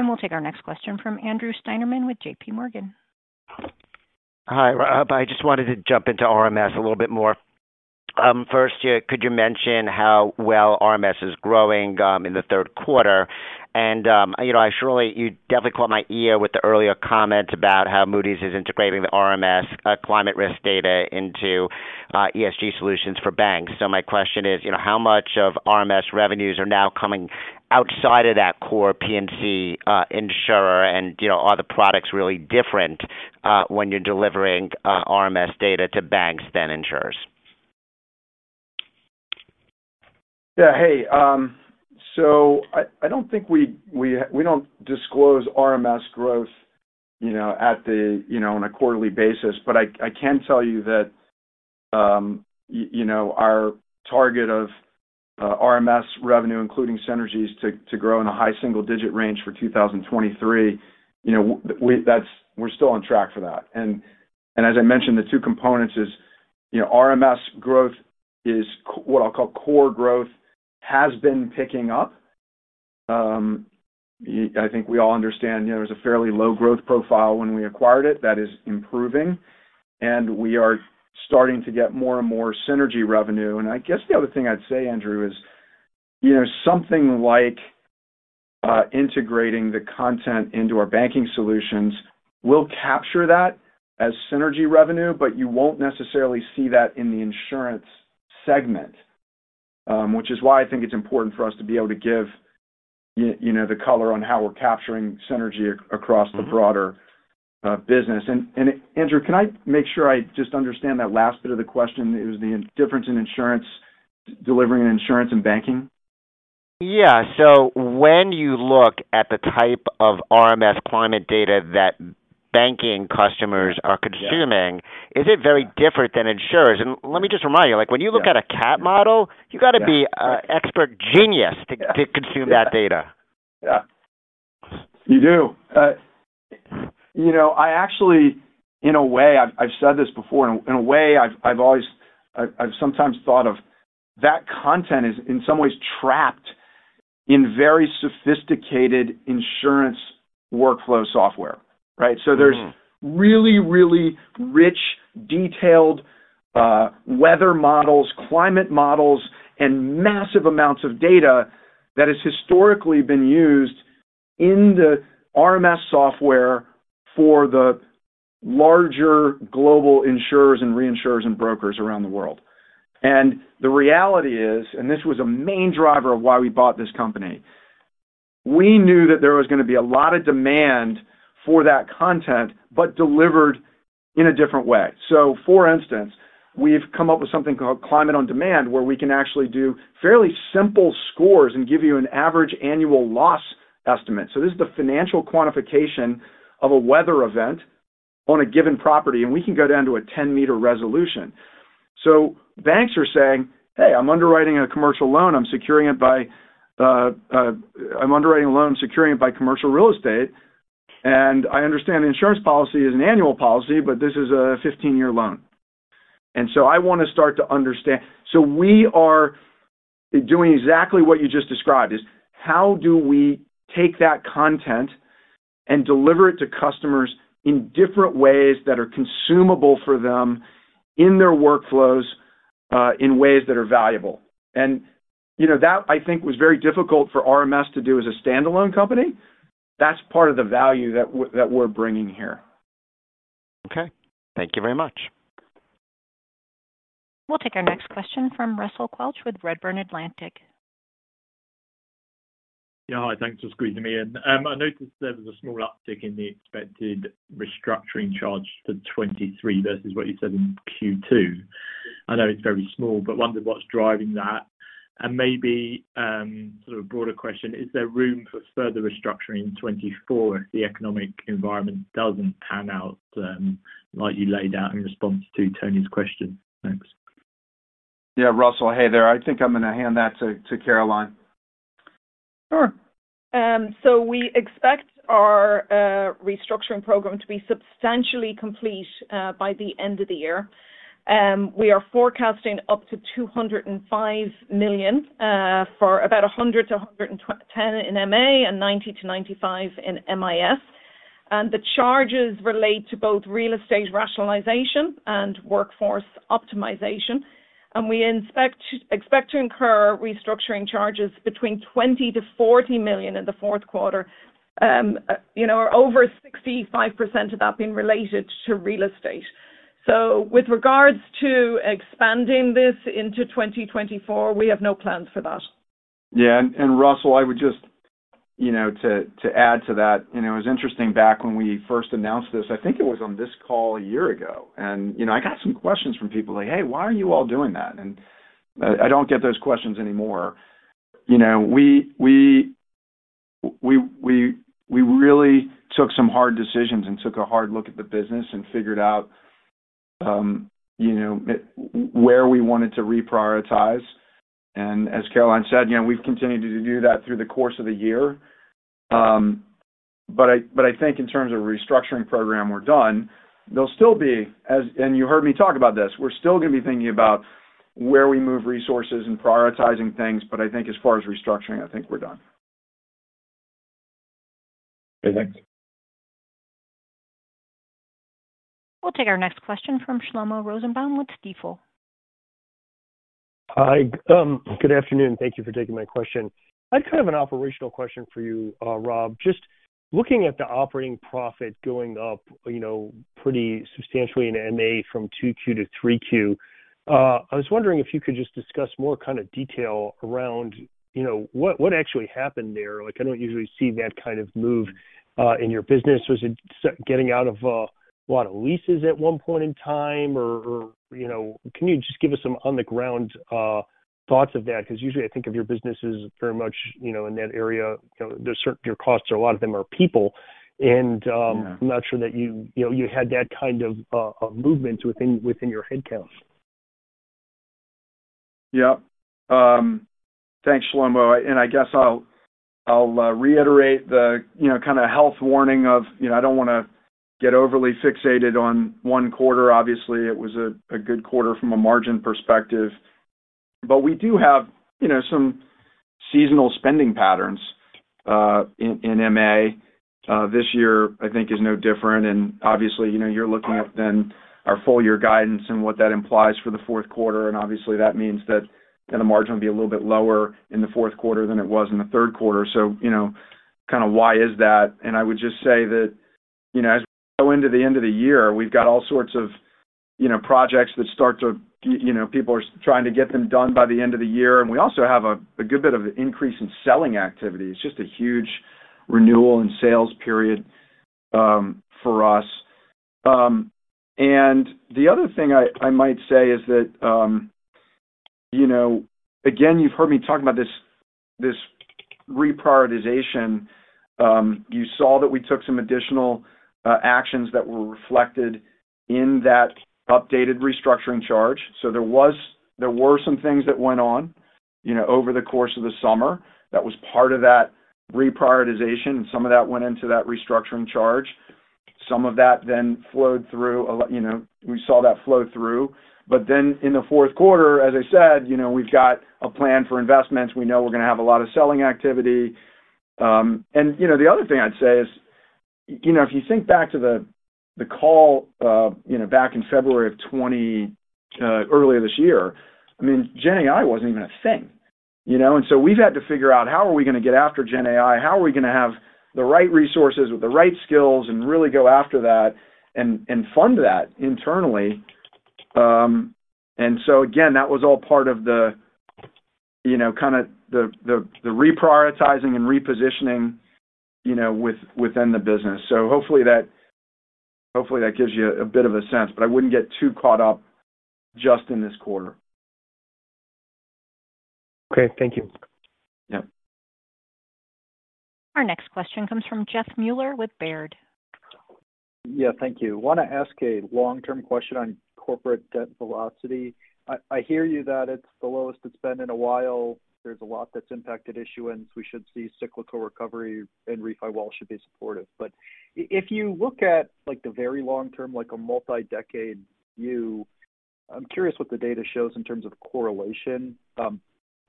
We'll take our next question from Andrew Steinerman with JPMorgan. Hi, I just wanted to jump into RMS a little bit more. First, could you mention how well RMS is growing in the third quarter? And, you know, I surely you definitely caught my ear with the earlier comment about how Moody's is integrating the RMS climate risk data into ESG solutions for banks. So my question is, you know, how much of RMS revenues are now coming outside of that core P&C insurer? And, you know, are the products really different when you're delivering RMS data to banks than insurers? Yeah. Hey, so I don't think we don't disclose RMS growth, you know, at the, you know, on a quarterly basis. But I can tell you that, you know, our target of RMS revenue, including synergies, to grow in a high single-digit range for 2023, you know, that's we're still on track for that. And, as I mentioned, the two components is, you know, RMS growth is what I'll call core growth has been picking up. I think we all understand, you know, there was a fairly low growth profile when we acquired it. That is improving, and we are starting to get more and more synergy revenue. I guess the other thing I'd say, Andrew, is, you know, something like integrating the content into our banking solutions will capture that as synergy revenue, but you won't necessarily see that in the insurance segment. Which is why I think it's important for us to be able to give you know, the color on how we're capturing synergy across the broader business. And Andrew, can I make sure I just understand that last bit of the question? It was the difference in insurance delivering in insurance and banking. Yeah. So when you look at the type of RMS climate data that banking customers are consuming, is it very different than insurers? Yeah. Let me just remind you, like, when you look at a CAT model, you got to be an expert genius to consume that data. Yeah. You do. You know, I actually, in a way, I've said this before, and in a way, I've sometimes thought of that content is in some ways trapped in very sophisticated insurance workflow software, right? So there's really, really rich, detailed weather models, climate models, and massive amounts of data that has historically been used in the RMS software for the larger global insurers and reinsurers and brokers around the world. And the reality is, and this was a main driver of why we bought this company, we knew that there was going to be a lot of demand for that content, but delivered in a different way. So for instance, we've come up with something called Climate on Demand, where we can actually do fairly simple scores and give you an average annual loss estimate. So this is the financial quantification of a weather event on a given property, and we can go down to a ten-meter resolution. So banks are saying, "Hey, I'm underwriting a loan, securing it by commercial real estate. And I understand the insurance policy is an annual policy, but this is a 15-year loan. And so I want to start to understand." So we are doing exactly what you just described, is how do we take that content and deliver it to customers in different ways that are consumable for them in their workflows, in ways that are valuable? And you know, that, I think, was very difficult for RMS to do as a standalone company. That's part of the value that that we're bringing here. Okay. Thank you very much. We'll take our next question from Russell Quelch with Redburn Atlantic. Yeah. Hi, thanks for squeezing me in. I noticed there was a small uptick in the expected restructuring charge for 2023 versus what you said in Q2. I know it's very small, but wondered what's driving that. Maybe, sort of a broader question: Is there room for further restructuring in 2024 if the economic environment doesn't pan out, like you laid out in response to Tony's question? Thanks. Yeah, Russell. Hey there. I think I'm going to hand that to Caroline. Sure. So we expect our restructuring program to be substantially complete by the end of the year. We are forecasting up to $205 million for about $100 million-$110 million in MA and $90 million-$95 million in MIS. And the charges relate to both real estate rationalization and workforce optimization. And we expect to incur restructuring charges between $20 million-$40 million in the fourth quarter, you know, over 65% of that being related to real estate. So with regards to expanding this into 2024, we have no plans for that. Yeah, and Russell, I would just, you know, to add to that, you know, it was interesting back when we first announced this. I think it was on this call a year ago, and, you know, I got some questions from people like, "Hey, why are you all doing that?" And I don't get those questions anymore. You know, we really took some hard decisions and took a hard look at the business and figured out, you know, where we wanted to reprioritize. And as Caroline said, you know, we've continued to do that through the course of the year. But I think in terms of restructuring program, we're done. There'll still be, and you heard me talk about this, we're still going to be thinking about where we move resources and prioritizing things, but I think as far as restructuring, I think we're done. Okay, thanks. We'll take our next question from Shlomo Rosenbaum with Stifel. Hi. Good afternoon. Thank you for taking my question. I have kind of an operational question for you, Rob. Just looking at the operating profit going up, you know, pretty substantially in MA from 2Q to 3Q, I was wondering if you could just discuss more kind of detail around, you know, what actually happened there. Like, I don't usually see that kind of move in your business. Was it getting out of what, leases at one point in time? Or, you know, can you just give us some on-the-ground thoughts of that? Because usually I think of your business as very much, you know, in that area, you know, there's your costs, or a lot of them are people. And I'm not sure that you, you know, you had that kind of of movement within your headcount. Yeah. Thanks, Shlomo. And I guess I'll reiterate the, you know, kind of health warning of, you know, I don't want to get overly fixated on one quarter. Obviously, it was a good quarter from a margin perspective, but we do have, you know, some seasonal spending patterns in MA. This year, I think, is no different. And obviously, you know, you're looking at then our full year guidance and what that implies for the fourth quarter, and obviously, that means that the margin will be a little bit lower in the fourth quarter than it was in the third quarter. So, you know, kind of why is that? I would just say that, you know, as we go into the end of the year, we've got all sorts of, you know, projects that start to, you know, people are trying to get them done by the end of the year. We also have a good bit of increase in selling activity. It's just a huge renewal and sales period for us. And the other thing I might say is that, you know, again, you've heard me talk about this, this reprioritization. You saw that we took some additional actions that were reflected in that updated restructuring charge. So there were some things that went on, you know, over the course of the summer. That was part of that reprioritization, and some of that went into that restructuring charge. Some of that then flowed through a lot, you know, we saw that flow through. But then in the fourth quarter, as I said, you know, we've got a plan for investments. We know we're going to have a lot of selling activity. And, you know, the other thing I'd say is, you know, if you think back to the call, you know, back in February of 2020, earlier this year, I mean, GenAI wasn't even a thing, you know? And so we've had to figure out how are we going to get after GenAI, how are we going to have the right resources with the right skills and really go after that and fund that internally. And so again, that was all part of the, you know, kind of the reprioritizing and repositioning, you know, within the business. So hopefully that gives you a bit of a sense, but I wouldn't get too caught up just in this quarter. Okay. Thank you. Yeah. Our next question comes from Jeff Meuler with Baird. Yeah, thank you. Want to ask a long-term question on corporate debt velocity. I, I hear you that it's the lowest it's been in a while. There's a lot that's impacted issuance. We should see cyclical recovery, and refi wall should be supportive. But if you look at, like, the very long term, like a multi-decade view, I'm curious what the data shows in terms of correlation.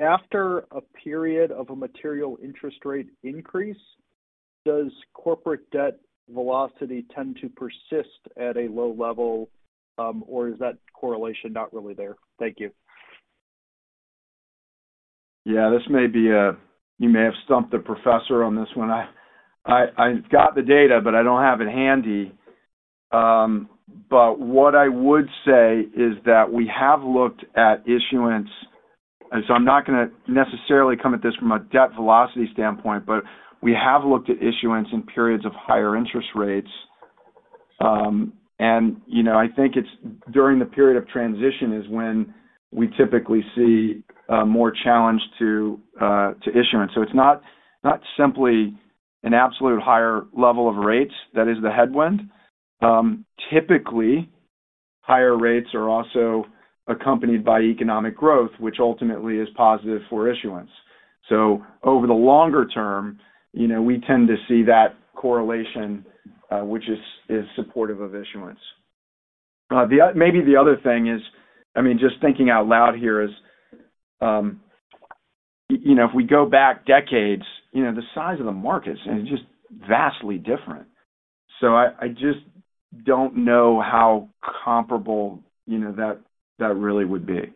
After a period of a material interest rate increase, does corporate debt velocity tend to persist at a low level, or is that correlation not really there? Thank you. Yeah. This may be. You may have stumped the professor on this one. I've got the data, but I don't have it handy. But what I would say is that we have looked at issuance. So I'm not going to necessarily come at this from a debt velocity standpoint, but we have looked at issuance in periods of higher interest rates. You know, I think it's during the period of transition is when we typically see more challenge to issuance. So it's not, not simply an absolute higher level of rates that is the headwind. Typically, higher rates are also accompanied by economic growth, which ultimately is positive for issuance. So over the longer term, you know, we tend to see that correlation, which is supportive of issuance. The other thing is, I mean, just thinking out loud here, you know, if we go back decades, you know, the size of the markets is just vastly different. So I just don't know how comparable, you know, that really would be.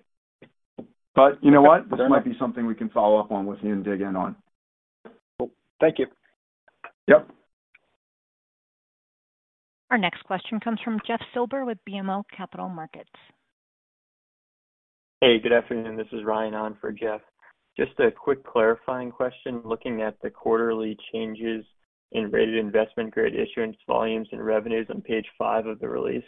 But you know what? This might be something we can follow up on with you and dig in on. Cool. Thank you. Yep. Our next question comes from Jeff Silber with BMO Capital Markets. Hey, good afternoon. This is Ryan on for Jeff. Just a quick clarifying question. Looking at the quarterly changes in rated investment grade issuance volumes and revenues on page 5 of the release,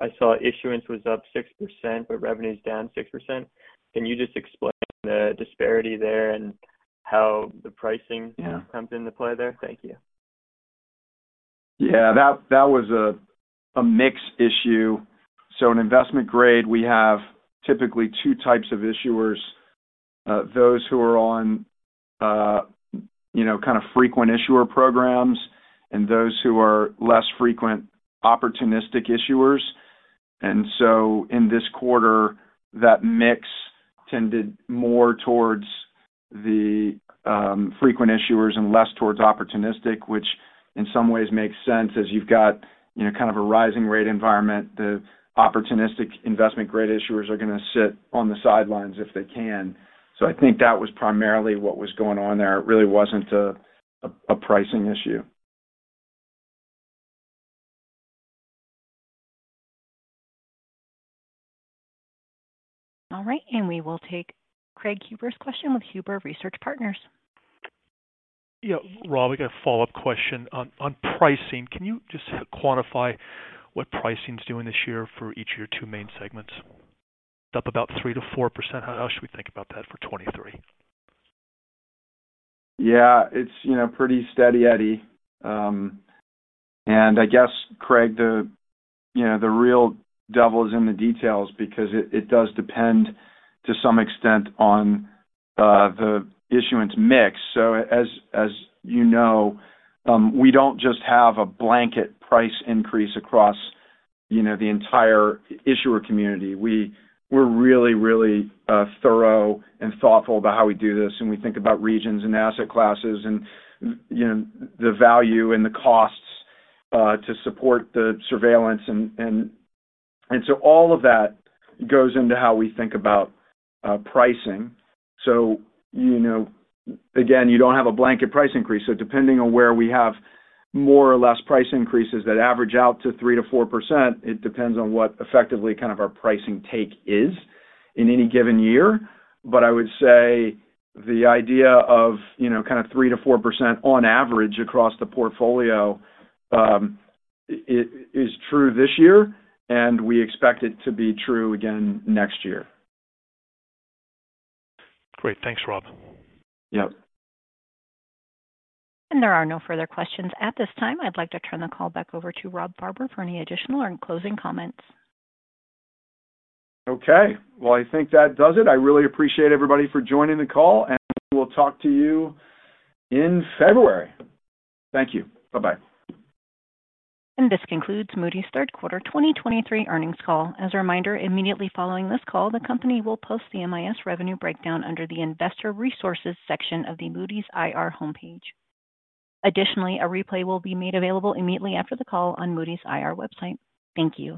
I saw issuance was up 6%, but revenues down 6%. Can you just explain the disparity there and how the pricing comes into play there? Thank you. Yeah, that was a mix issue. So in investment grade, we have typically two types of issuers. Those who are on, you know, kind of frequent issuer programs and those who are less frequent opportunistic issuers. And so in this quarter, that mix tended more towards the frequent issuers and less towards opportunistic, which in some ways makes sense as you've got, you know, kind of a rising rate environment. The opportunistic investment grade issuers are going to sit on the sidelines if they can. So I think that was primarily what was going on there. It really wasn't a pricing issue. All right. We will take Craig Huber's question with Huber Research Partners. Yeah, Rob, I got a follow-up question. On pricing, can you just quantify what pricing is doing this year for each of your two main segments? It's up about 3%-4%. How else should we think about that for 2023? Yeah, it's, you know, pretty steady eddy. And I guess, Craig, the, you know, the real devil is in the details because it does depend to some extent on the issuance mix. So as you know, we don't just have a blanket price increase across, you know, the entire issuer community. We're really, really thorough and thoughtful about how we do this, and we think about regions and asset classes and, you know, the value and the costs to support the surveillance. And so all of that goes into how we think about pricing. So, you know, again, you don't have a blanket price increase. So depending on where we have more or less price increases that average out to 3%-4%, it depends on what effectively kind of our pricing take is in any given year. I would say the idea of, you know, kind of 3%-4% on average across the portfolio is true this year, and we expect it to be true again next year. Great. Thanks, Rob. Yep. There are no further questions at this time. I'd like to turn the call back over to Rob Fauber for any additional or closing comments. Okay. Well, I think that does it. I really appreciate everybody for joining the call, and we will talk to you in February. Thank you. Bye-bye. This concludes Moody's third quarter 2023 earnings call. As a reminder, immediately following this call, the company will post the MIS revenue breakdown under the Investor Resources section of the Moody's IR homepage. Additionally, a replay will be made available immediately after the call on Moody's IR website. Thank you.